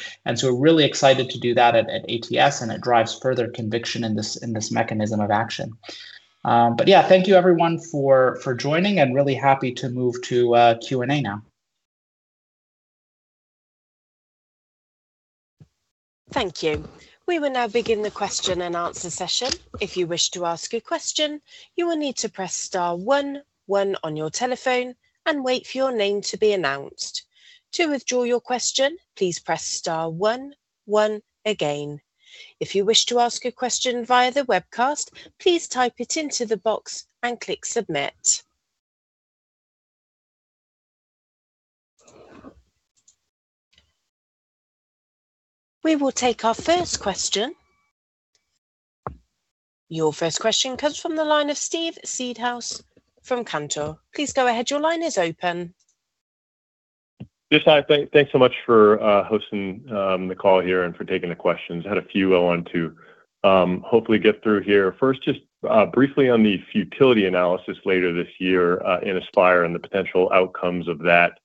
We're really excited to do that at ATS, and it drives further conviction in this mechanism of action. Yeah, thank you everyone for joining. I'm really happy to move to Q&A now. Thank you. We will now begin the question and answer session. If you wish to ask a question, you will need to press star one one on your telephone and wait for your name to be announced. To withdraw your question, please press star one one again. If you wish to ask a question via the webcast, please type it into the box and click submit. We will take our first question. Your first question comes from the line of Steve Seedhouse from Cantor. Please go ahead. Your line is open. Yes. Hi. Thanks so much for hosting the call here and for taking the questions. Had a few I want to hopefully get through here. First, just briefly on the futility analysis later this year in ASPIRE and the potential outcomes of that.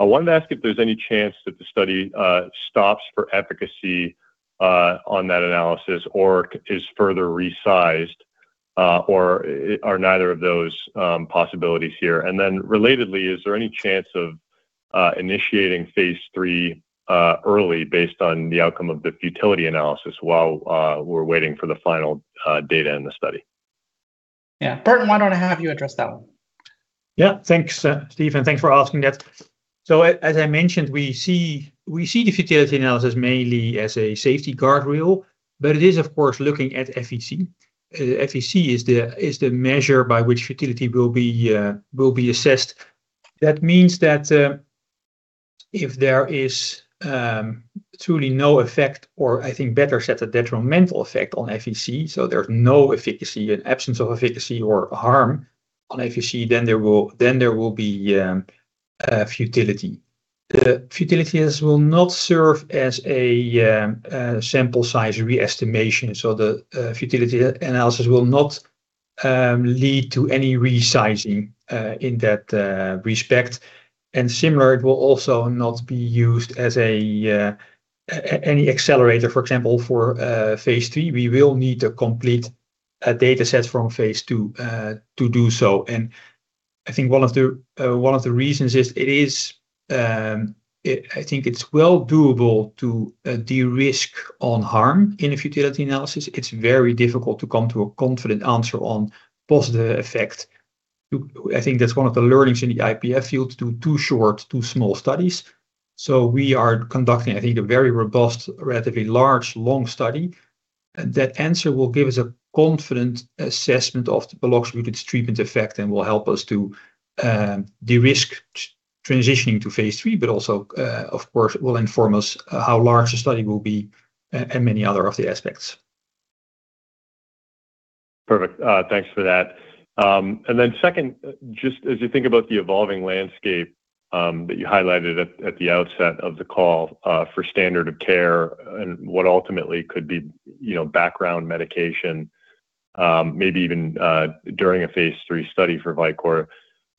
I wanted to ask if there's any chance that the study stops for efficacy on that analysis or is further resized, or are neither of those possibilities here? Relatedly, is there any chance of initiating phase III early based on the outcome of the futility analysis while we're waiting for the final data in the study? Yeah. Bernt, why don't I have you address that one? Yeah. Thanks, Steven, and thanks for asking that. As I mentioned, we see the futility analysis mainly as a safety guard rail, but it is, of course, looking at FVC. FVC is the measure by which futility will be assessed. That means that if there is truly no effect, or I think better said, a detrimental effect on FVC, so there's no efficacy, an absence of efficacy or harm on FVC, then there will be futility. The futility will not serve as a sample size re-estimation, the futility analysis will not lead to any resizing in that respect. Similar, it will also not be used as an accelerator, for example, for phase III, we will need a complete data set from phase II to do so. I think one of the reasons is, I think it's well doable to de-risk on harm in a futility analysis. It's very difficult to come to a confident answer on positive effect. I think that's one of the learnings in the IPF field, to do two short, two small studies. We are conducting, I think, a very robust, relatively large, long study. That answer will give us a confident assessment of the buloxibutid treatment effect and will help us to de-risk transitioning to phase III, but also, of course, will inform us how large the study will be and many other of the aspects. Perfect. Thanks for that. Second, just as you think about the evolving landscape that you highlighted at the outset of the call for standard of care and what ultimately could be background medication, maybe even during a phase III study for Vicore Pharma,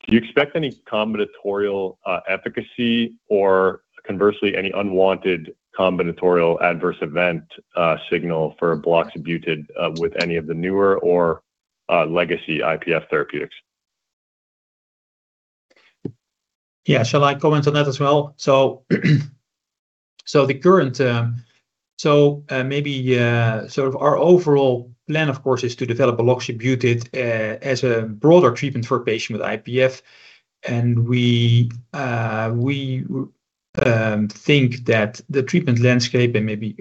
do you expect any combinatorial efficacy or conversely, any unwanted combinatorial adverse event signal for buloxibutid with any of the newer or legacy IPF therapeutics? Yeah. Shall I comment on that as well? Our overall plan, of course, is to develop buloxibutid as a broader treatment for a patient with IPF. We think that the treatment landscape, and maybe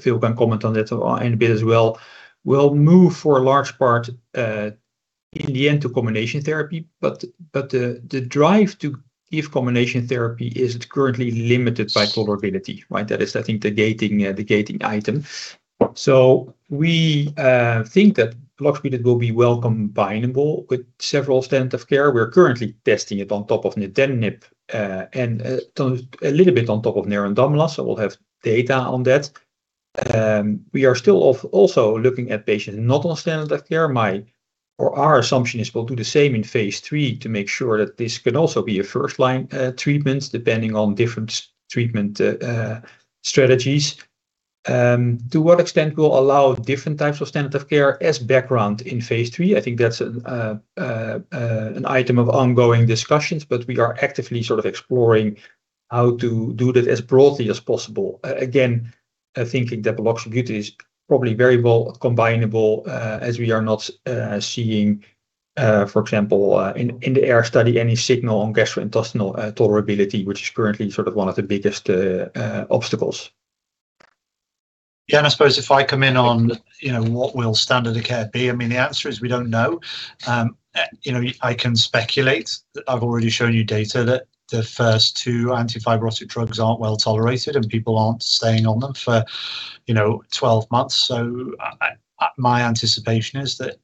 Phil can comment on that in a bit as well, will move for a large part, in the end, to combination therapy. The drive to give combination therapy is currently limited by tolerability, right? That is, I think, the gating item. We think that buloxibutid will be well combinable with several standard of care. We're currently testing it on top of nintedanib, and a little bit on top of nerandomilast, so we'll have data on that. We are still also looking at patients not on standard of care. My or our assumption is we'll do the same in phase III to make sure that this can also be a first-line treatment depending on different treatment strategies. To what extent we'll allow different types of standard of care as background in phase III, I think that's an item of ongoing discussions. We are actively exploring how to do that as broadly as possible. Again, thinking that buloxibutid is probably very well combinable as we are not seeing, for example, in the AIR study, any signal on gastrointestinal tolerability, which is currently one of the biggest obstacles. Yeah, I suppose if I come in on what will standard of care be, the answer is we don't know. I can speculate. I've already shown you data that the first two anti-fibrotic drugs aren't well-tolerated, and people aren't staying on them for 12 months. My anticipation is that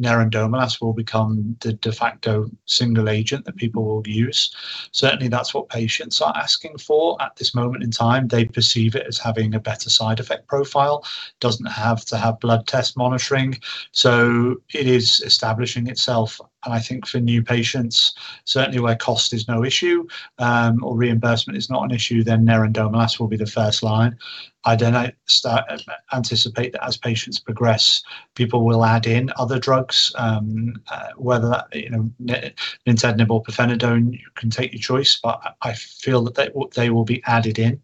nerandomilast will become the de facto single agent that people will use. Certainly, that's what patients are asking for at this moment in time. They perceive it as having a better side effect profile, doesn't have to have blood test monitoring. It is establishing itself, and I think for new patients, certainly where cost is no issue or reimbursement is not an issue, then nerandomilast will be the first line. I don't anticipate that as patients progress, people will add in other drugs, whether that nintedanib or pirfenidone, you can take your choice. I feel that they will be added in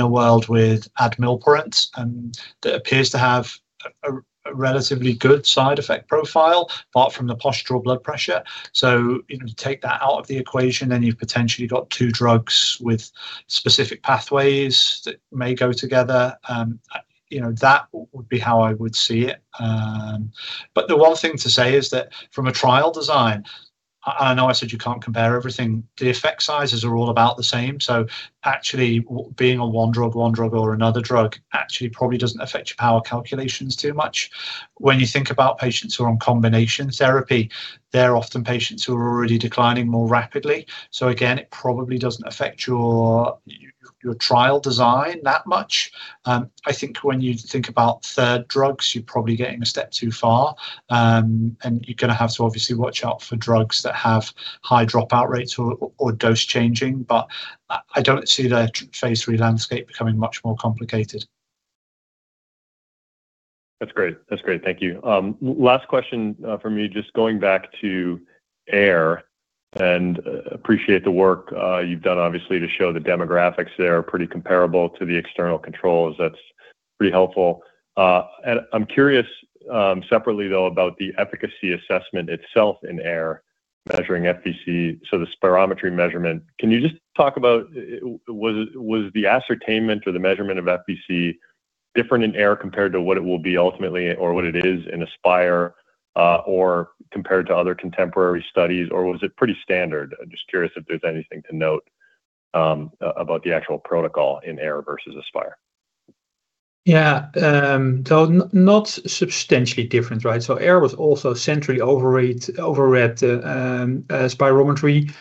a world with buloxibutid and that appears to have a relatively good side effect profile apart from the postural blood pressure. Take that out of the equation, then you've potentially got two drugs with specific pathways that may go together. That would be how I would see it. The one thing to say is that from a trial design, I know I said you can't compare everything. The effect sizes are all about the same. Actually being on one drug, one drug, or another drug actually probably doesn't affect your power calculations too much. When you think about patients who are on combination therapy, they're often patients who are already declining more rapidly. Again, it probably doesn't affect your trial design that much. I think when you think about third drugs, you're probably getting a step too far, and you're going to have to obviously watch out for drugs that have high dropout rates or dose changing. I don't see the phase III landscape becoming much more complicated. That's great. Thank you. Last question from me, just going back to AIR, and appreciate the work you've done, obviously, to show the demographics there are pretty comparable to the external controls. That's pretty helpful. I'm curious, separately though, about the efficacy assessment itself in AIR measuring FVC, so the spirometry measurement. Can you just talk about, was the ascertainment or the measurement of FVC different in AIR compared to what it will be ultimately or what it is in ASPIRE, or compared to other contemporary studies, or was it pretty standard? Just curious if there's anything to note about the actual protocol in AIR versus ASPIRE. Yeah. Not substantially different, right? AIR was also centrally overread spirometry.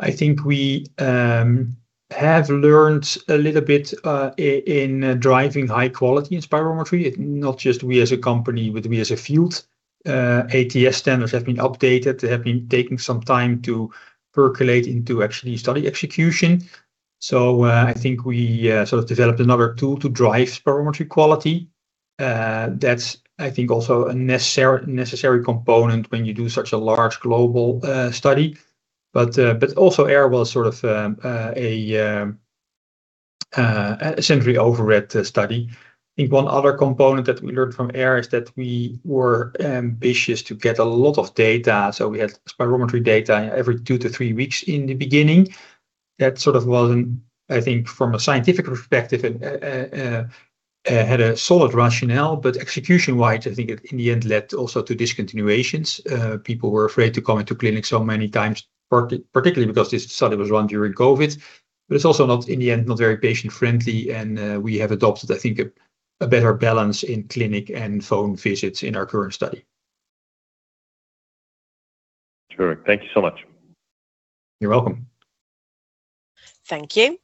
I think we have learnt a little bit in driving high quality in spirometry, not just we as a company, but we as a field. ATS standards have been updated. They have been taking some time to percolate into actually study execution. I think we sort of developed another tool to drive spirometry quality. That's, I think also a necessary component when you do such a large global study. Also AIR was sort of essentially an overread study. I think one other component that we learned from AIR is that we were ambitious to get a lot of data, so we had spirometry data every two to three weeks in the beginning. That sort of wasn't, I think from a scientific perspective, had a solid rationale, but execution-wise, I think in the end led also to discontinuations. People were afraid to come into clinic so many times, particularly because this study was run during COVID. It's also, in the end, not very patient-friendly and we have adopted, I think, a better balance in clinic and phone visits in our current study. Sure. Thank you so much. You're welcome. Thank you.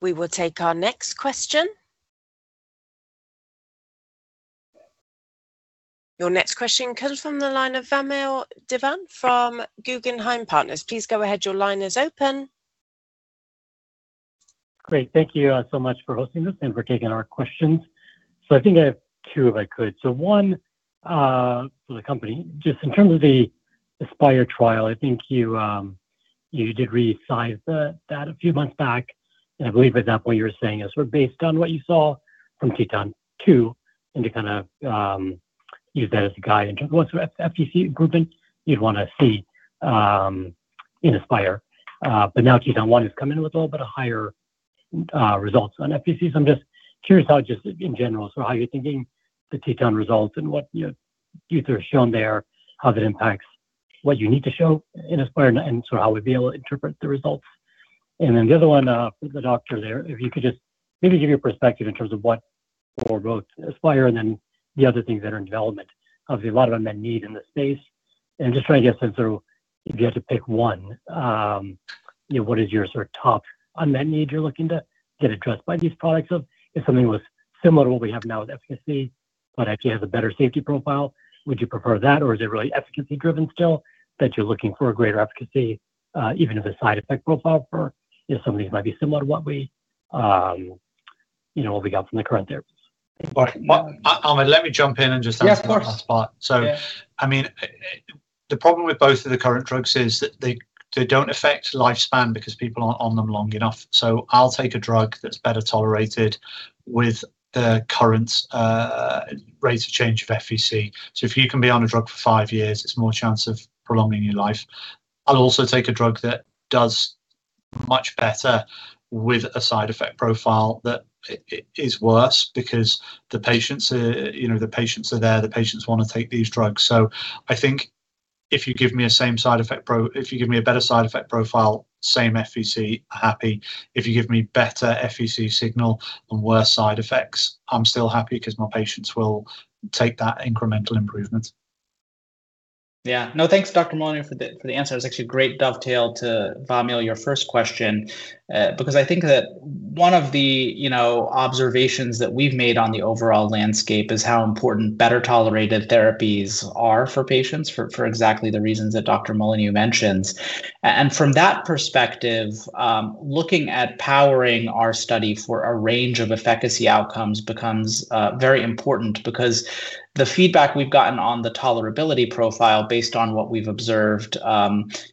We will take our next question. Your next question comes from the line of Vamil Divan from Guggenheim Partners. Please go ahead. Your line is open. Great. Thank you so much for hosting this and for taking our questions. I think I have two, if I could. One, for the company, just in terms of the ASPIRE trial, I think you did resize that a few months back, and I believe at that point you were saying it was sort of based on what you saw from TETON-2 and to kind of use that as a guide in terms of what sort of FVC grouping you'd want to see in ASPIRE. Now TETON-1 has come in with a little bit of higher results on FVC. I'm just curious how, just in general, how you're thinking the TETON results and what you know, data shown there, how that impacts what you need to show in ASPIRE and sort of how we'd be able to interpret the results. The other one for the doctor there, if you could just maybe give your perspective in terms of what for both ASPIRE and the other things that are in development. Obviously, a lot of unmet need in this space. Just trying to get a sense of if you had to pick one, what is your sort of top unmet need you're looking to get addressed by these products of if something was similar to what we have now with efficacy but actually has a better safety profile, would you prefer that or is it really efficacy driven still, that you're looking for a greater efficacy even if the side effect profile for some of these might be similar to what we got from the current therapies? Well, let me jump in. Yeah, of course I mean, the problem with both of the current drugs is that they don't affect lifespan because people aren't on them long enough. I'll take a drug that's better tolerated with the current rates of change of FVC. If you can be on a drug for five years, it's more chance of prolonging your life. I'll also take a drug that does much better with a side effect profile that is worse because the patients are there, the patients want to take these drugs. I think if you give me a better side effect profile, same FVC, happy. If you give me better FVC signal and worse side effects, I'm still happy because my patients will take that incremental improvement. No, thanks, Dr. Molyneaux for the answer. It was actually a great dovetail to Vamil, your first question, because I think that one of the observations that we've made on the overall landscape is how important better tolerated therapies are for patients for exactly the reasons that Dr. Molyneaux mentions. From that perspective, looking at powering our study for a range of efficacy outcomes becomes very important because the feedback we've gotten on the tolerability profile based on what we've observed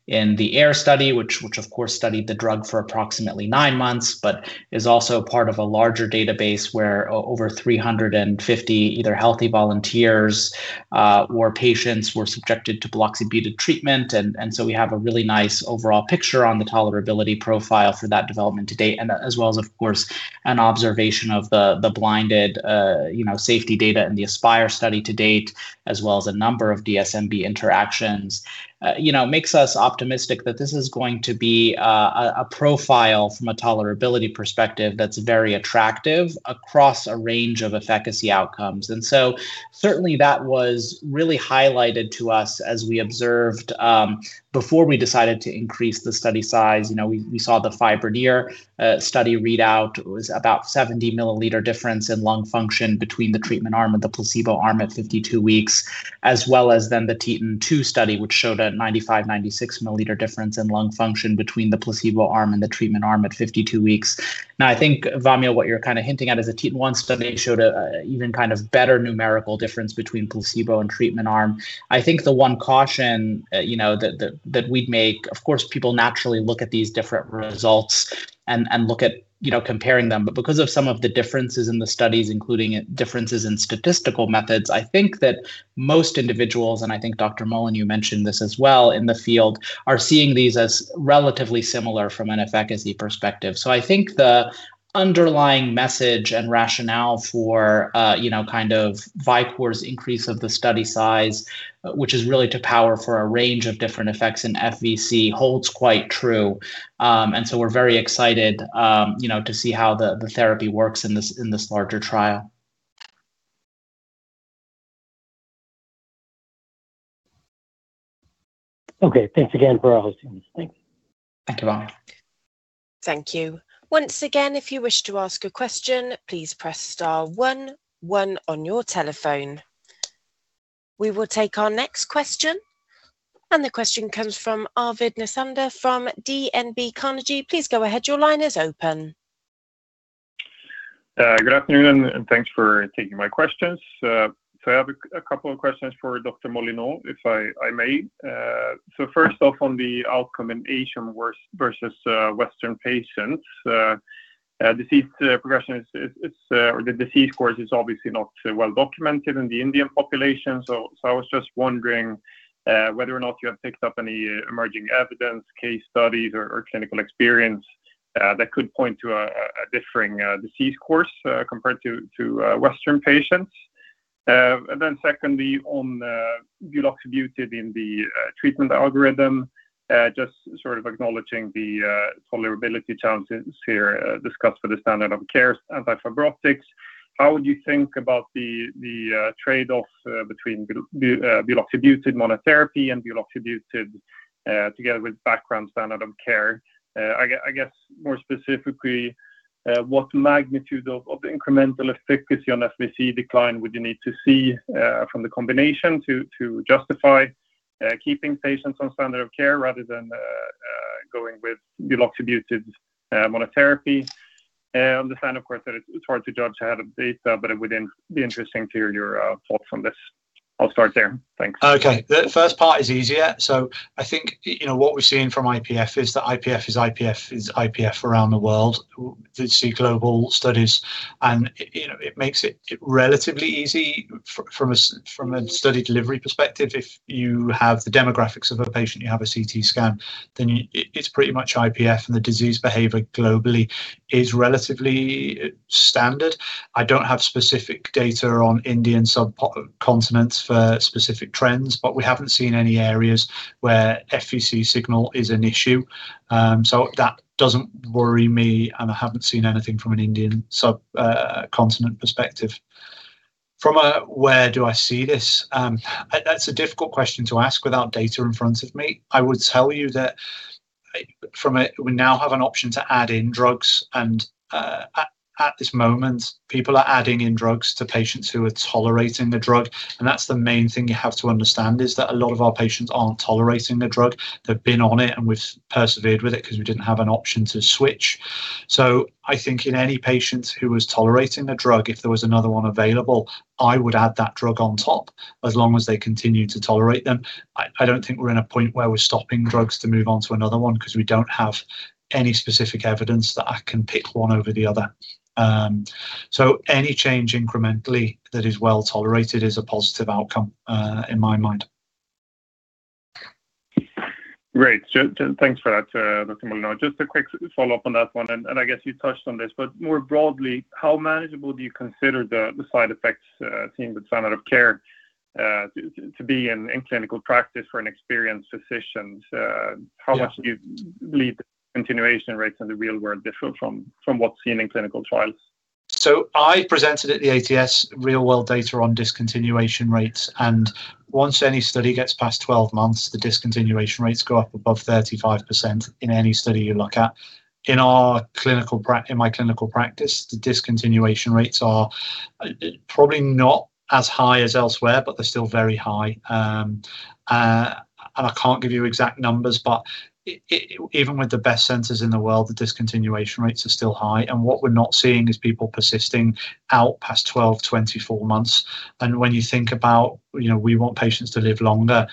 in the AIR study, which of course studied the drug for approximately nine months, but is also part of a larger database where over 350 either healthy volunteers or patients were subjected to buloxibutid treatment. We have a really nice overall picture on the tolerability profile for that development to date, as well as, of course, an observation of the blinded safety data in the ASPIRE study to date, as well as a number of DSMB interactions. It makes us optimistic that this is going to be a profile from a tolerability perspective that's very attractive across a range of efficacy outcomes. Certainly that was really highlighted to us as we observed before we decided to increase the study size. We saw the FIBRONEER study readout. It was about 70 milliliter difference in lung function between the treatment arm and the placebo arm at 52 weeks, as well as the TETON-2 study, which showed a 95, 96 milliliter difference in lung function between the placebo arm and the treatment arm at 52 weeks. I think, Vamil, what you're kind of hinting at is the TETON-1 study showed an even kind of better numerical difference between placebo and treatment arm. I think the one caution that we'd make, of course, people naturally look at these different results and look at comparing them. Because of some of the differences in the studies, including differences in statistical methods, I think that most individuals, and I think Dr. Molyneaux mentioned this as well, in the field are seeing these as relatively similar from an efficacy perspective. I think the underlying message and rationale for kind of Vicore's increase of the study size, which is really to power for a range of different effects in FVC holds quite true. We're very excited to see how the therapy works in this larger trial. Okay, thanks again for hosting this. Thank you. Thank you. Thank you. Once again, if you wish to ask a question, please press star 11 on your telephone. We will take our next question, and the question comes from Arvid Necander from DNB Carnegie. Please go ahead. Your line is open. Good afternoon, and thanks for taking my questions. I have a couple of questions for Dr. Molyneaux, if I may. First off, on the outcome in Asian versus Western patients. Disease progression is, or the disease course is obviously not well documented in the Indian population. I was just wondering whether or not you have picked up any emerging evidence, case studies, or clinical experience that could point to a differing disease course, compared to Western patients. Secondly, on buloxibutid in the treatment algorithm, just sort of acknowledging the tolerability challenges here discussed for the standard of care antifibrotics. How would you think about the trade-off between buloxibutid monotherapy and buloxibutid together with background standard of care? I guess more specifically, what magnitude of incremental efficacy on FVC decline would you need to see from the combination to justify keeping patients on standard of care rather than going with buloxibutid monotherapy? Understand, of course, that it's hard to judge ahead of data, it would be interesting to hear your thoughts on this. I'll start there. Thanks. Okay. The first part is easier. I think what we're seeing from IPF is that IPF is IPF around the world. You did see global studies, and it makes it relatively easy from a study delivery perspective. If you have the demographics of a patient, you have a CT scan, then it's pretty much IPF, and the disease behavior globally is relatively standard. I don't have specific data on Indian subcontinents for specific trends, but we haven't seen any areas where FVC signal is an issue. That doesn't worry me, and I haven't seen anything from an Indian subcontinent perspective. From a where do I see this? That's a difficult question to ask without data in front of me. I would tell you that we now have an option to add in drugs, and at this moment, people are adding in drugs to patients who are tolerating the drug. That's the main thing you have to understand is that a lot of our patients aren't tolerating the drug. They've been on it, and we've persevered with it because we didn't have an option to switch. I think in any patient who was tolerating a drug, if there was another one available, I would add that drug on top as long as they continue to tolerate them. I don't think we're in a point where we're stopping drugs to move on to another one because we don't have any specific evidence that I can pick one over the other. Any change incrementally that is well-tolerated is a positive outcome, in my mind. Great. Thanks for that, Dr. Molyneaux. Just a quick follow-up on that one, and I guess you touched on this, but more broadly, how manageable do you consider the side effects seen with standard of care to be in clinical practice for an experienced physician? Yeah. How much do you believe the continuation rates in the real world differ from what's seen in clinical trials? I presented at the ATS real world data on discontinuation rates, and once any study gets past 12 months, the discontinuation rates go up above 35% in any study you look at. In my clinical practice, the discontinuation rates are probably not as high as elsewhere, but they're still very high. I can't give you exact numbers, but even with the best centers in the world, the discontinuation rates are still high. What we're not seeing is people persisting out past 12, 24 months. When you think about we want patients to live longer,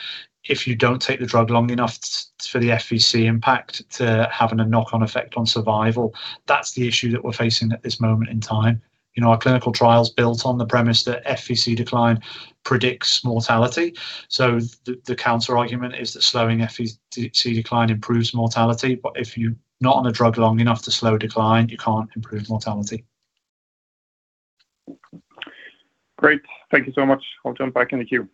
if you don't take the drug long enough for the FVC impact to having a knock-on effect on survival, that's the issue that we're facing at this moment in time. Our clinical trial is built on the premise that FVC decline predicts mortality. The counterargument is that slowing FVC decline improves mortality. If you're not on a drug long enough to slow decline, you can't improve mortality. Great. Thank you so much. I'll jump back in the queue.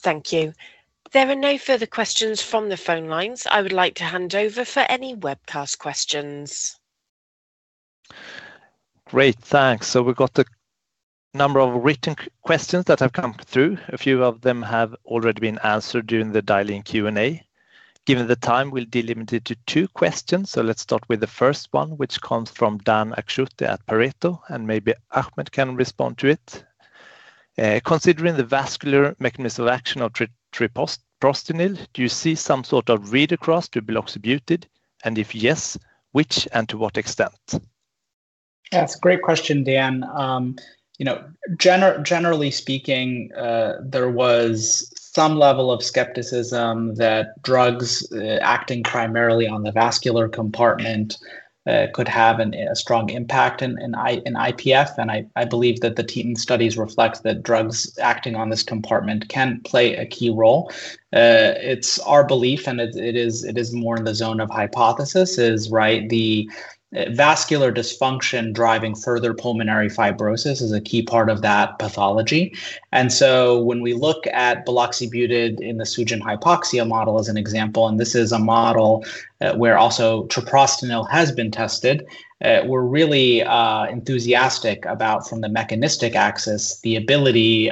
Thank you. There are no further questions from the phone lines. I would like to hand over for any webcast questions. Great, thanks. We got a number of written questions that have come through. A few of them have already been answered during the dial-in Q&A. Given the time, we will be limited to two questions. Let's start with the first one, which comes from Dan Akschuti at Pareto, and maybe Ahmed can respond to it. Considering the vascular mechanism of action of treprostinil, do you see some sort of read across to buloxibutid? If yes, which and to what extent? Yeah, it's a great question, Dan. Generally speaking, there was some level of skepticism that drugs acting primarily on the vascular compartment could have a strong impact in IPF, and I believe that the TETON studies reflect that drugs acting on this compartment can play a key role. It's our belief, and it is more in the zone of hypothesis, right, the vascular dysfunction driving further pulmonary fibrosis is a key part of that pathology. When we look at buloxibutid in the Sugen-Hypoxia model as an example, and this is a model where also treprostinil has been tested, we are really enthusiastic about from the mechanistic axis, the ability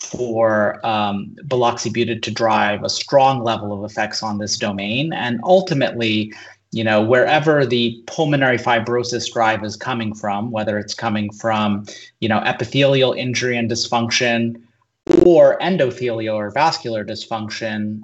for buloxibutid to drive a strong level of effects on this domain. Ultimately, wherever the pulmonary fibrosis drive is coming from, whether it's coming from epithelial injury and dysfunction or endothelial or vascular dysfunction.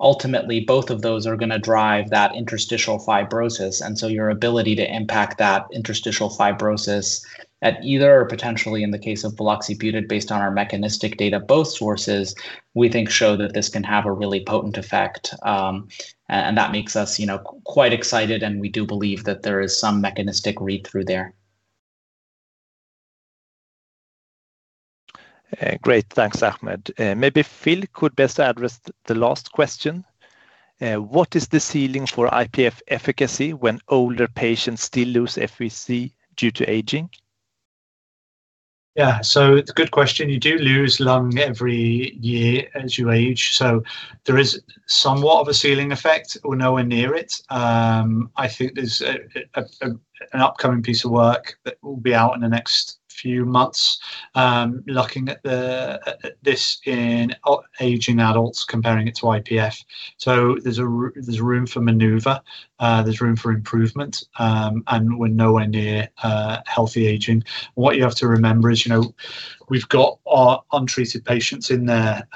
Ultimately, both of those are going to drive that interstitial fibrosis, your ability to impact that interstitial fibrosis at either, or potentially in the case of buloxibutid, based on our mechanistic data, both sources, we think show that this can have a really potent effect. That makes us quite excited, and we do believe that there is some mechanistic read-through there. Great. Thanks, Ahmed. Maybe Phil could best address the last question. What is the ceiling for IPF efficacy when older patients still lose FVC due to aging? It's a good question. You do lose lung every year as you age, there is somewhat of a ceiling effect. We're nowhere near it. I think there's an upcoming piece of work that will be out in the next few months, looking at this in aging adults, comparing it to IPF. There's room for maneuver, there's room for improvement, and we're nowhere near healthy aging. What you have to remember is we've got our untreated patients in there,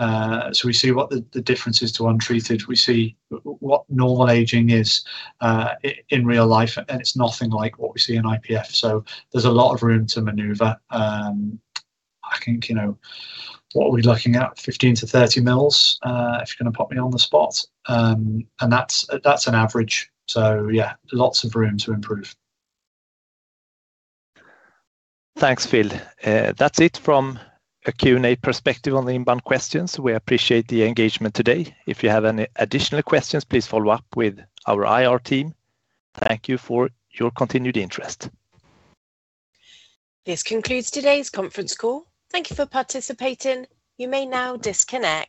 we see what the difference is to untreated. We see what normal aging is in real life, and it's nothing like what we see in IPF, there's a lot of room to maneuver. I think, what are we looking at? 15 ml-30 ml, if you're going to put me on the spot. That's an average. Yeah, lots of room to improve. Thanks, Phil. That's it from a Q&A perspective on the inbound questions. We appreciate the engagement today. If you have any additional questions, please follow up with our IR team. Thank you for your continued interest. This concludes today's conference call. Thank you for participating. You may now disconnect.